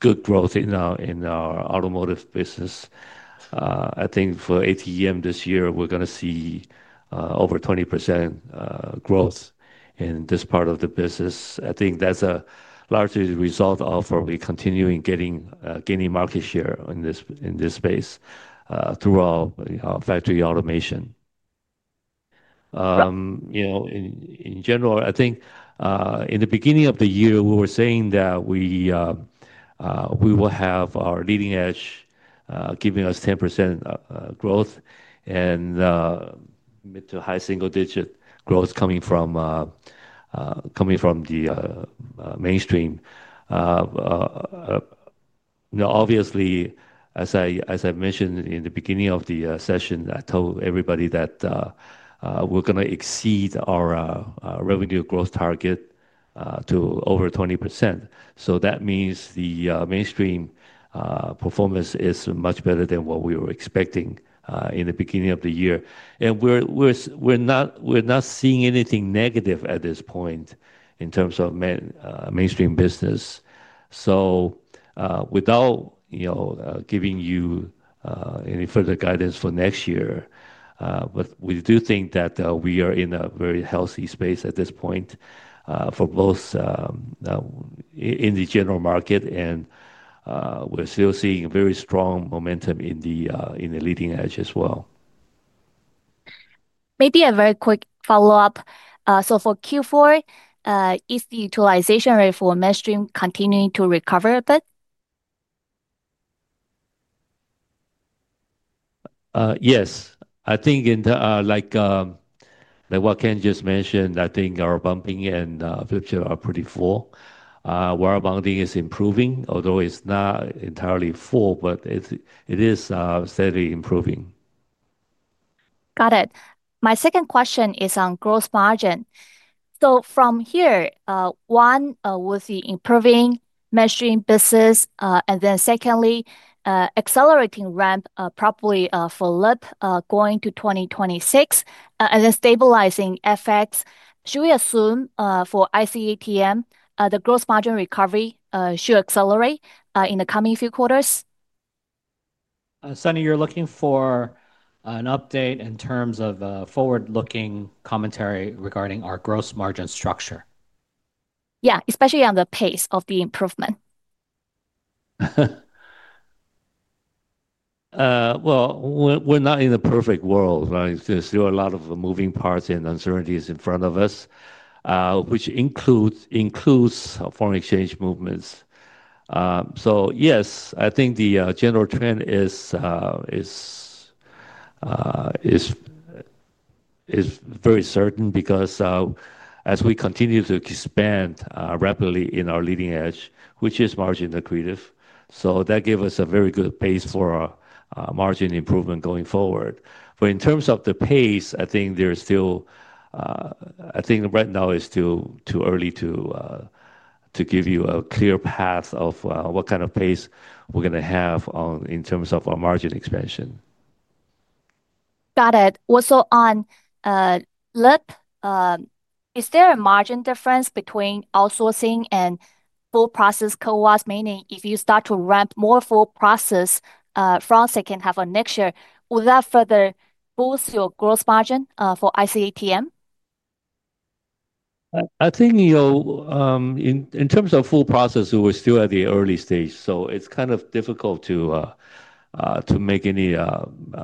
S2: good growth in our automotive business. I think for ATM this year, we're going to see over 20% growth in this part of the business. I think that's largely a result of where we continue in gaining market share in this space throughout factory automation. In general, I think in the beginning of the year, we were saying that we will have our leading edge giving us 10% growth and mid to high single-digit growth coming from the mainstream. Obviously, as I mentioned in the beginning of the session, I told everybody that we're going to exceed our revenue growth target to over 20%. That means the mainstream performance is much better than what we were expecting in the beginning of the year. We're not seeing anything negative at this point in terms of mainstream business. Without giving you any further guidance for next year, we do think that we are in a very healthy space at this point for both in the general market, and we're still seeing very strong momentum in the leading edge as well.
S8: Maybe a very quick follow-up. For Q4, is the utilization rate for mainstream continuing to recover a bit?
S2: Yes. I think, like what Ken just mentioned, I think our bumping and flip chip are pretty full. Wire bonding is improving, although it's not entirely full, but it is steadily improving.
S8: Got it. My second question is on gross margin. From here, one would be improving mainstream business, and then secondly, accelerating ramp probably for LEAP going to 2026, and then stabilizing FX. Should we assume for ICATM, the gross margin recovery should accelerate in the coming few quarters?
S1: Sunny, you're looking for an update in terms of forward-looking commentary regarding our gross margin structure.
S8: Yeah, especially on the pace of the improvement.
S2: We're not in a perfect world. There's still a lot of moving parts and uncertainties in front of us, which includes foreign exchange movements. Yes, I think the general trend is very certain because as we continue to expand rapidly in our leading edge, which is margin accretive, that gives us a very good pace for margin improvement going forward. In terms of the pace, I think right now it's still too early to give you a clear path of what kind of pace we're going to have in terms of our margin expansion.
S8: Got it. Also on LEAP, is there a margin difference between outsourcing and full process CoWoS, meaning if you start to ramp more full process from second half of next year, will that further boost your gross margin for ICATM?
S2: I think in terms of full process, we're still at the early stage. It's kind of difficult to make any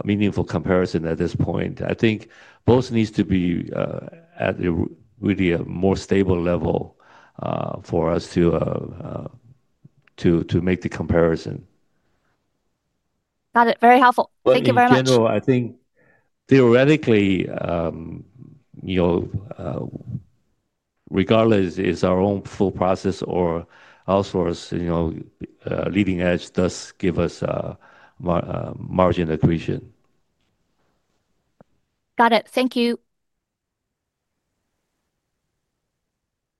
S2: meaningful comparison at this point. I think both need to be at a really more stable level for us to make the comparison.
S8: Got it. Very helpful. Thank you very much.
S2: In general, I think theoretically, regardless, if it's our own full process or outsource, leading-edge does give us margin accretion.
S8: Got it. Thank you.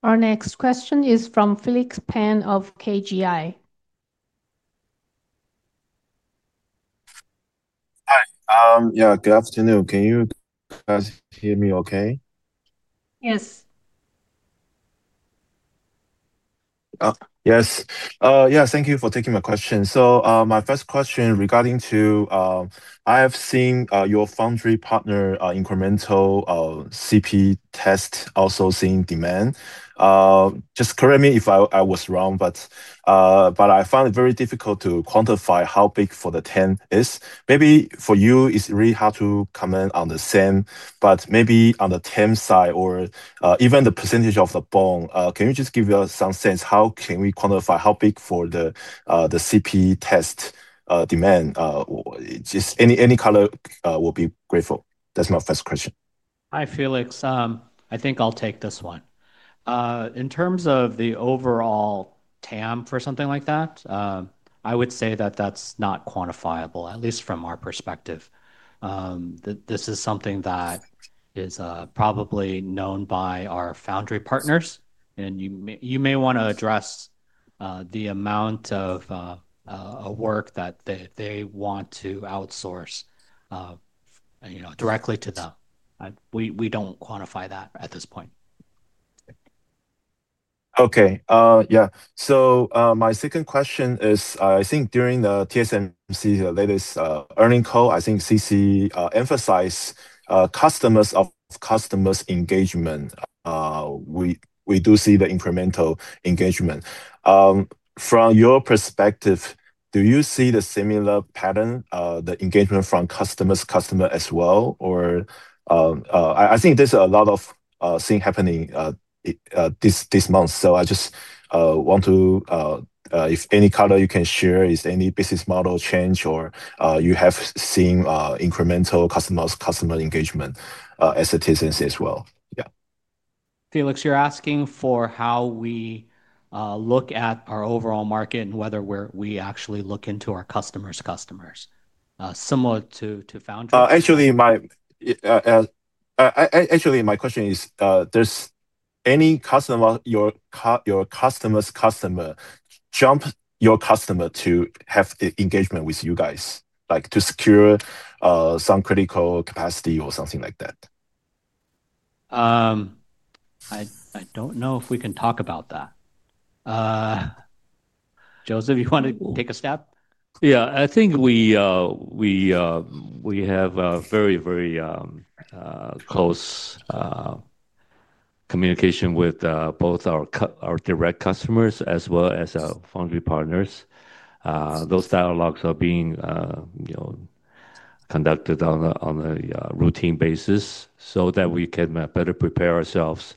S3: Our next question is from Felix Pan of KGI.
S9: Hi. Good afternoon. Can you guys hear me okay?
S3: Yes.
S9: Yes, thank you for taking my question. My first question regarding, I have seen your foundry partner incremental CP test, also seeing demand. Just correct me if I am wrong, but I found it very difficult to quantify how big for the 10 is. Maybe for you, it's really hard to comment on the same, but maybe on the 10 side or even the percentage of the bond, can you just give us some sense? How can we quantify how big for the CP test demand? Just any color would be grateful. That's my first question.
S1: Hi, Felix. I think I'll take this one. In terms of the overall TAM for something like that, I would say that that's not quantifiable, at least from our perspective. This is something that is probably known by our foundry partners. You may want to address the amount of work that they want to outsource directly to them. We don't quantify that at this point.
S9: Okay. Yeah. My second question is, I think during TSMC's latest earnings call, I think CC emphasized customers' engagement. We do see the incremental engagement. From your perspective, do you see a similar pattern, the engagement from customer's customer as well? I think there's a lot of things happening this month. I just want to ask if any color you can share, is any business model change, or you have seen incremental customer's customer engagement as it is as well? Yeah.
S1: Felix, you're asking for how we look at our overall market and whether we actually look into our customers' customers, similar to foundry.
S9: Actually, my question is, does any customer's customer jump your customer to have engagement with you guys, like to secure some critical capacity or something like that?
S1: I don't know if we can talk about that. Joseph, you want to take a step?
S2: Yeah, I think we have very, very close communication with both our direct customers as well as our foundry partners. Those dialogues are being conducted on a routine basis so that we can better prepare ourselves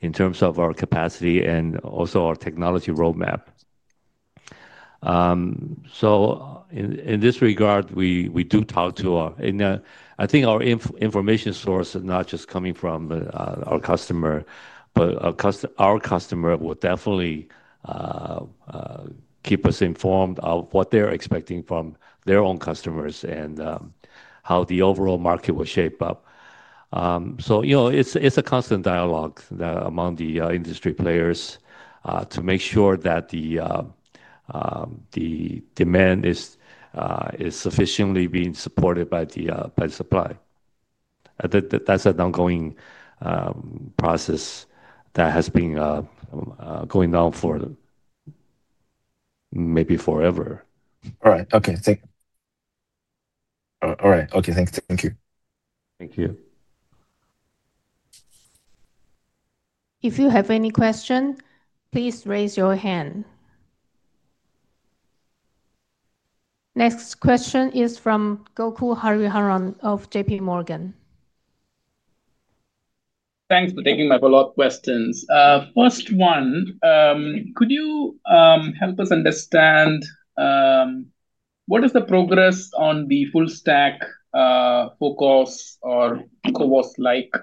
S2: in terms of our capacity and also our technology roadmap. In this regard, we do talk to our, and I think our information source is not just coming from our customer, but our customer will definitely keep us informed of what they're expecting from their own customers and how the overall market will shape up. It's a constant dialogue among the industry players to make sure that the demand is sufficiently being supported by the supply. That's an ongoing process that has been going on for maybe forever.
S9: All right. Okay. Thank you. All right. Okay. Thanks. Thank you.
S2: Thank you.
S3: If you have any question, please raise your hand. Next question is from Gokul Hariharan of JPMorgan.
S4: Thanks for taking my follow-up questions. First one, could you help us understand what is the progress on the full stack FOCoS or CoWoS-like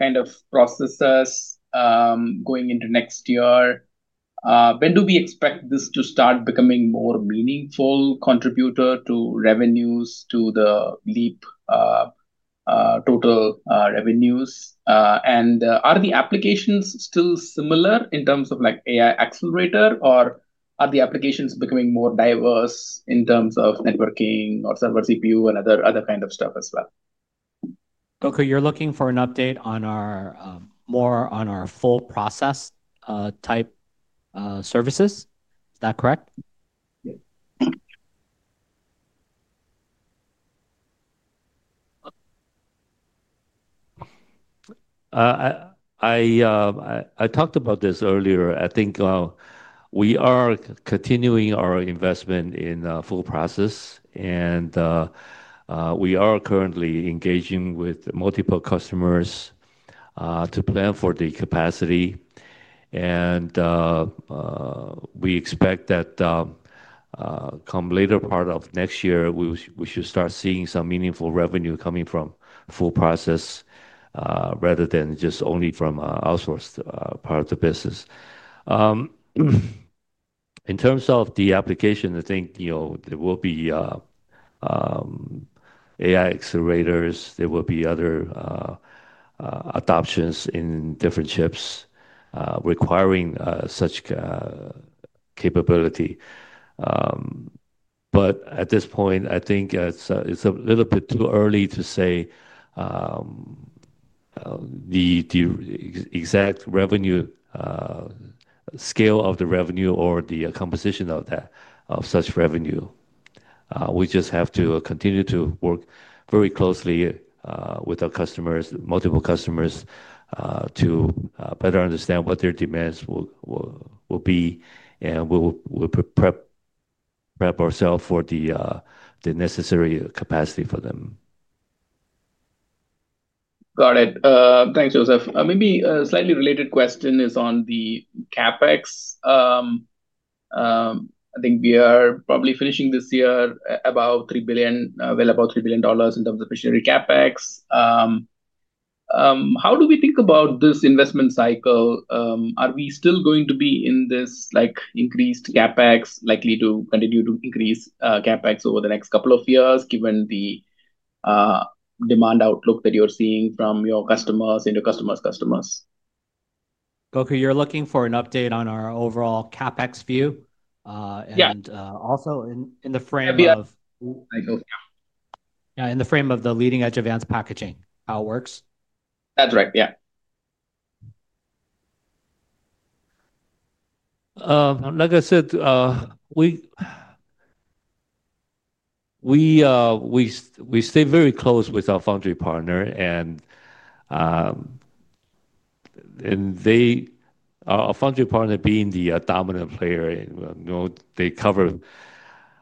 S4: kind of processes going into next year? When do we expect this to start becoming a more meaningful contributor to revenues, to the LEAP total revenues? Are the applications still similar in terms of like AI accelerator, or are the applications becoming more diverse in terms of networking or server CPU and other kinds of stuff as well?
S1: Gokul, you're looking for an update on more on our full process type services. Is that correct?
S2: I talked about this earlier. I think we are continuing our investment in FO process, and we are currently engaging with multiple customers to plan for the capacity. We expect that come the later part of next year, we should start seeing some meaningful revenue coming from FO process rather than just only from outsourced part of the business. In terms of the application, I think there will be AI accelerators. There will be other adoptions in different chips requiring such capability. At this point, I think it's a little bit too early to say the exact revenue scale of the revenue or the composition of that of such revenue. We just have to continue to work very closely with our customers, multiple customers, to better understand what their demands will be, and we'll prep ourselves for the necessary capacity for them.
S4: Got it. Thanks, Joseph. Maybe a slightly related question is on the CapEx. I think we are probably finishing this year about 3 billion, well about 3 billion dollars in terms of missionary CapEx. How do we think about this investment cycle? Are we still going to be in this like increased CapEx, likely to continue to increase CapEx over the next couple of years? Given the demand outlook that you're seeing from your customers and your customers' customers?
S1: Gokul, you're looking for an update on our overall CapEx view?
S4: Yeah.
S1: In the frame of the leading-edge advanced packaging, how does it work?
S4: That's right.
S2: Like I said, we stay very close with our foundry partner, and our foundry partner being the dominant player, they cover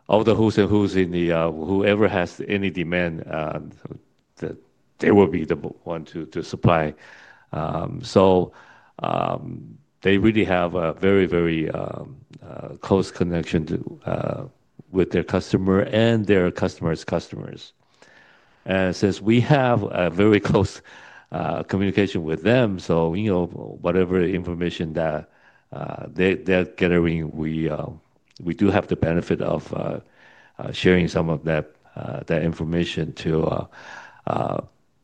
S2: all the who's and who's in the, whoever has any demand, that they will be the one to supply. They really have a very, very close connection with their customer and their customer's customers. Since we have a very close communication with them, whatever information that they're gathering, we do have the benefit of sharing some of that information to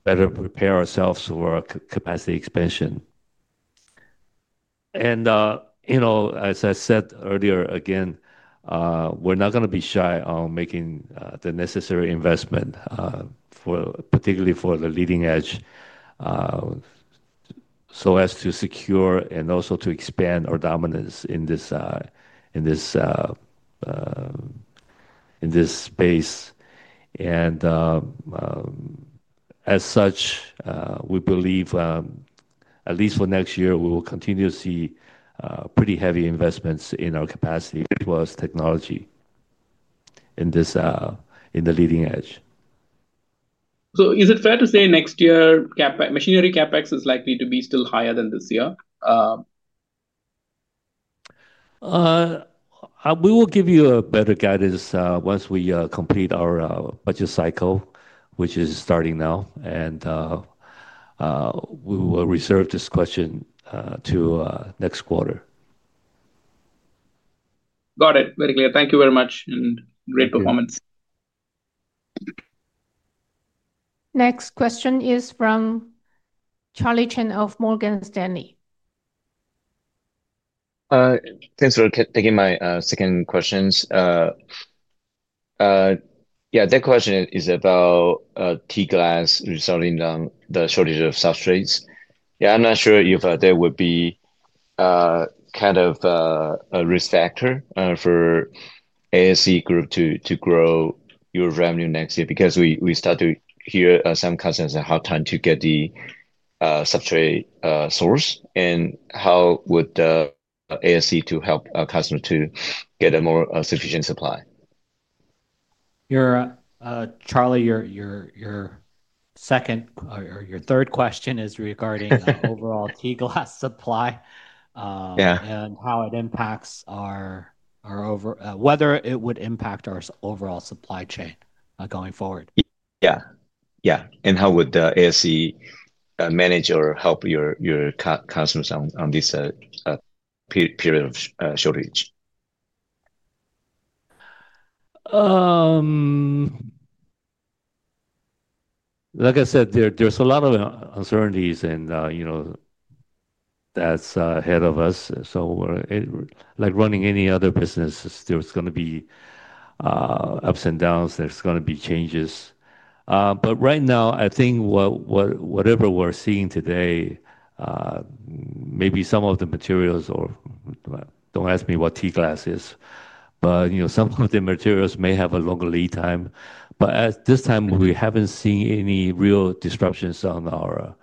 S2: better prepare ourselves for a capacity expansion. As I said earlier, we're not going to be shy on making the necessary investment, particularly for the leading edge, so as to secure and also to expand our dominance in this space. As such, we believe, at least for next year, we will continue to see pretty heavy investments in our capacity as well as technology in the leading edge.
S4: Is it fair to say next year CapEx machinery CapEx is likely to be still higher than this year?
S2: We will give you better guidance once we complete our budget cycle, which is starting now. We will reserve this question to next quarter.
S4: Got it. Very clear. Thank you very much and great performance.
S3: Next question is from Charlie Chan of Morgan Stanley.
S5: Thanks for taking my second question. The question is about T-glass resolving the shortage of substrates. I'm not sure if there would be a risk factor for ASE Group. to grow your revenue next year because we start to hear some concerns on how long it takes to get the substrate sourced and how would ASE help our customers to get a more sufficient supply.
S1: Charlie, your second or your third question is regarding the overall T-glass supply,
S5: Yeah.
S1: How it impacts our overall supply chain, going forward.
S5: Yeah. How would ASE manage or help your customers on this period of shortage?
S2: Like I said, there's a lot of uncertainties, and that's ahead of us. We're like running any other business, there's going to be ups and downs. There's going to be changes. Right now, I think whatever we're seeing today, maybe some of the materials or don't ask me what tea glass is, but some of the materials may have a longer lead time. At this time, we haven't seen any real disruptions on our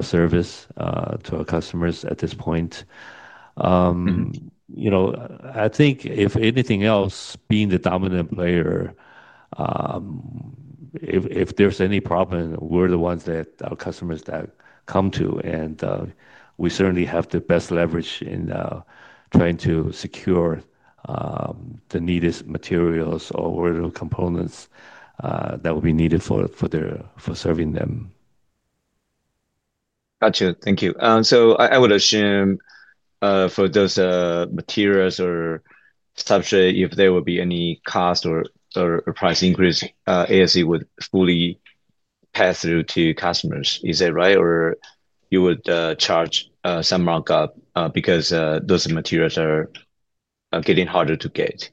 S2: service to our customers at this point. I think if anything else, being the dominant player, if there's any problem, we're the ones that our customers come to. We certainly have the best leverage in trying to secure the needed materials or the components that will be needed for serving them.
S5: Gotcha. Thank you. I would assume, for those materials or substrate, if there would be any cost or price increase, ASE would fully pass through to customers. Is that right? Or would you charge some markup, because those materials are getting harder to get?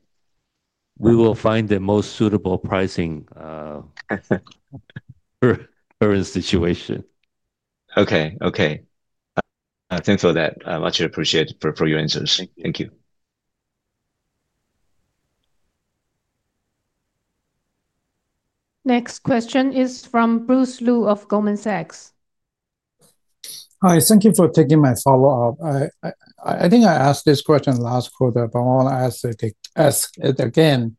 S2: We will find the most suitable pricing for current situation.
S5: Okay, thanks for that. I much appreciate it for your answers. Thank you.
S3: Next question is from Bruce Lu of Goldman Sachs.
S6: Hi. Thank you for taking my follow-up. I think I asked this question last quarter, but I want to ask it again.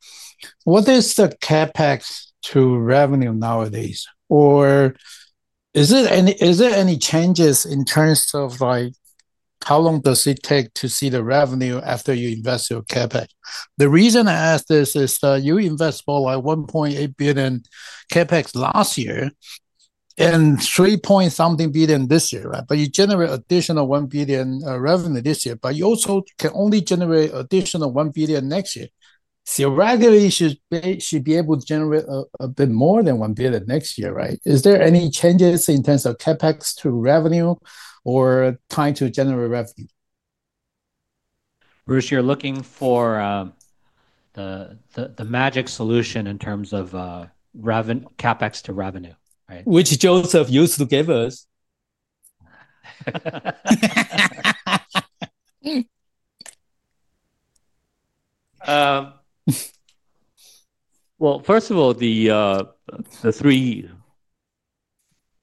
S6: What is the CapEx to revenue nowadays? Is there any changes in terms of, like, how long does it take to see the revenue after you invest your CapEx? The reason I ask this is that you invest more like $1.8 billion CapEx last year and $3 point something billion this year, right? You generate additional $1 billion revenue this year, but you also can only generate additional $1 billion next year. Theoretically, you should be able to generate a bit more than $1 billion next year, right? Is there any changes in terms of CapEx to revenue or trying to generate revenue?
S1: Bruce, you're looking for the magic solution in terms of CapEx to revenue, right?
S6: Which Joseph used to give us.
S2: First of all, the $3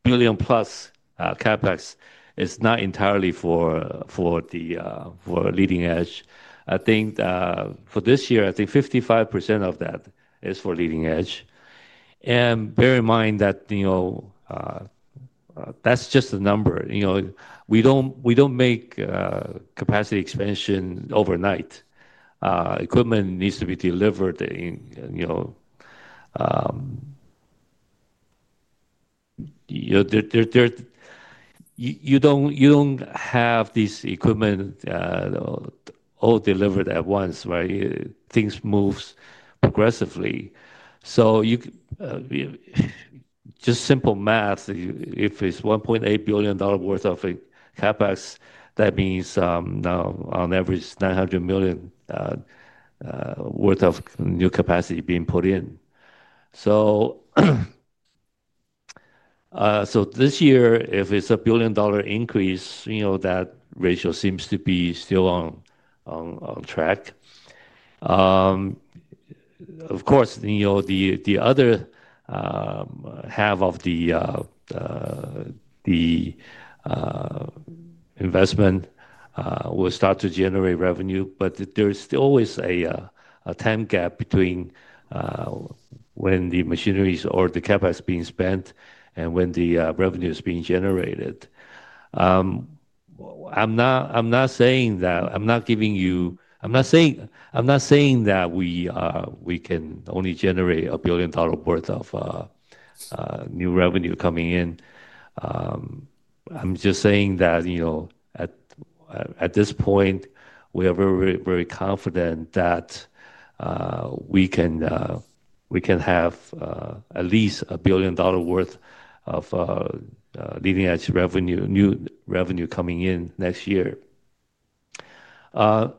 S2: million+ CapEx is not entirely for the leading edge. I think for this year, 55% of that is for leading edge. Bear in mind that that's just a number. We don't make capacity expansion overnight. Equipment needs to be delivered in, you don't have this equipment all delivered at once, right? Things move progressively. Just simple math, if it's $1.8 billion worth of CapEx, that means, on average, $900 million worth of new capacity being put in. This year, if it's a billion-dollar increase, that ratio seems to be still on track. Of course, the other half of the investment will start to generate revenue, but there's still always a time gap between when the machinery or the CapEx is being spent and when the revenue is being generated. I'm not saying that we can only generate a billion-dollar worth of new revenue coming in. I'm just saying that, at this point, we are very, very confident that we can have at least $1 billion worth of leading-edge revenue, new revenue coming in next year. For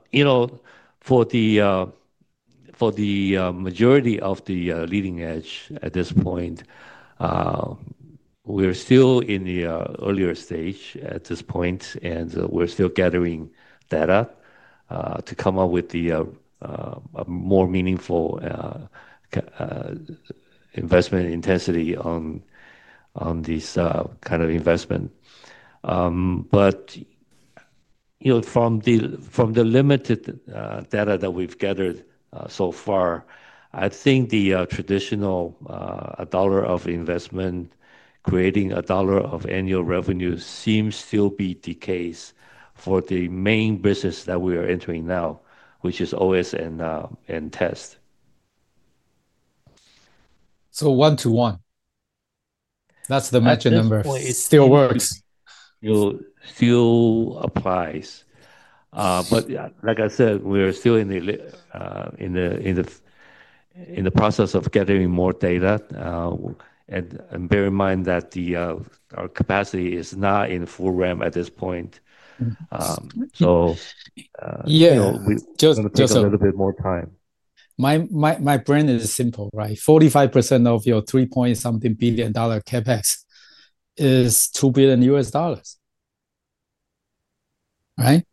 S2: the majority of the leading edge at this point, we're still in the earlier stage, and we're still gathering data to come up with a more meaningful investment intensity on this kind of investment. From the limited data that we've gathered so far, I think the traditional a dollar of investment creating a dollar of annual revenue seems to still be the case for the main business that we are entering now, which is OS and test.
S6: One to one. That's the magic number.
S2: It still works. Still applies. Like I said, we are still in the process of gathering more data. Bear in mind that our capacity is not in full ramp at this point, so we still have a little bit more time.
S6: My brand is simple, right? 45% of your $3 point something billion CapEx is $2 billion, right?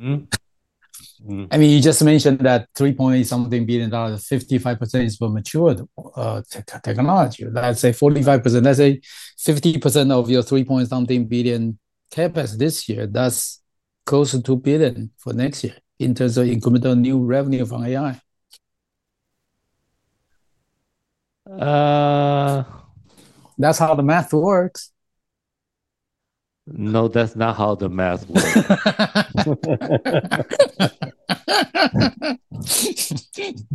S6: I mean, you just mentioned that $3 point something billion dollars, 55% is for matured technology. Let's say 45%. Let's say 50% of your $3 point something billion CapEx this year, that's close to $2 billion for next year in terms of incremental new revenue from AI. That's how the math works.
S2: No, that's not how the math works.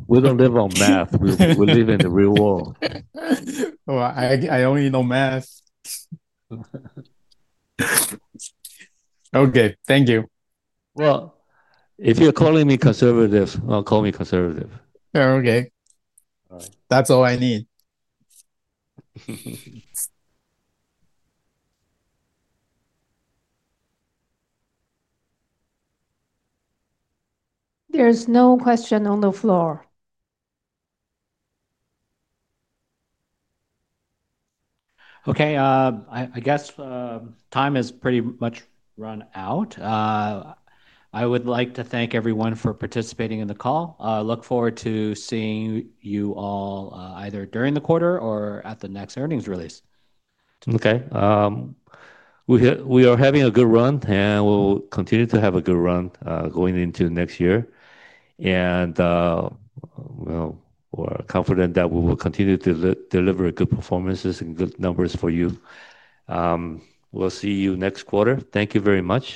S2: We don't live on math. We live in the real world.
S6: I only know math. Okay. Thank you.
S2: Well. If you're calling me conservative, don't call me conservative.
S6: Okay. All right. That's all I need.
S3: There is no question on the floor.
S1: Okay. I guess time has pretty much run out. I would like to thank everyone for participating in the call. I look forward to seeing you all either during the quarter or at the next earnings release.
S2: Okay. We are having a good run, and we'll continue to have a good run going into next year. We're confident that we will continue to deliver good performances and good numbers for you. We'll see you next quarter. Thank you very much.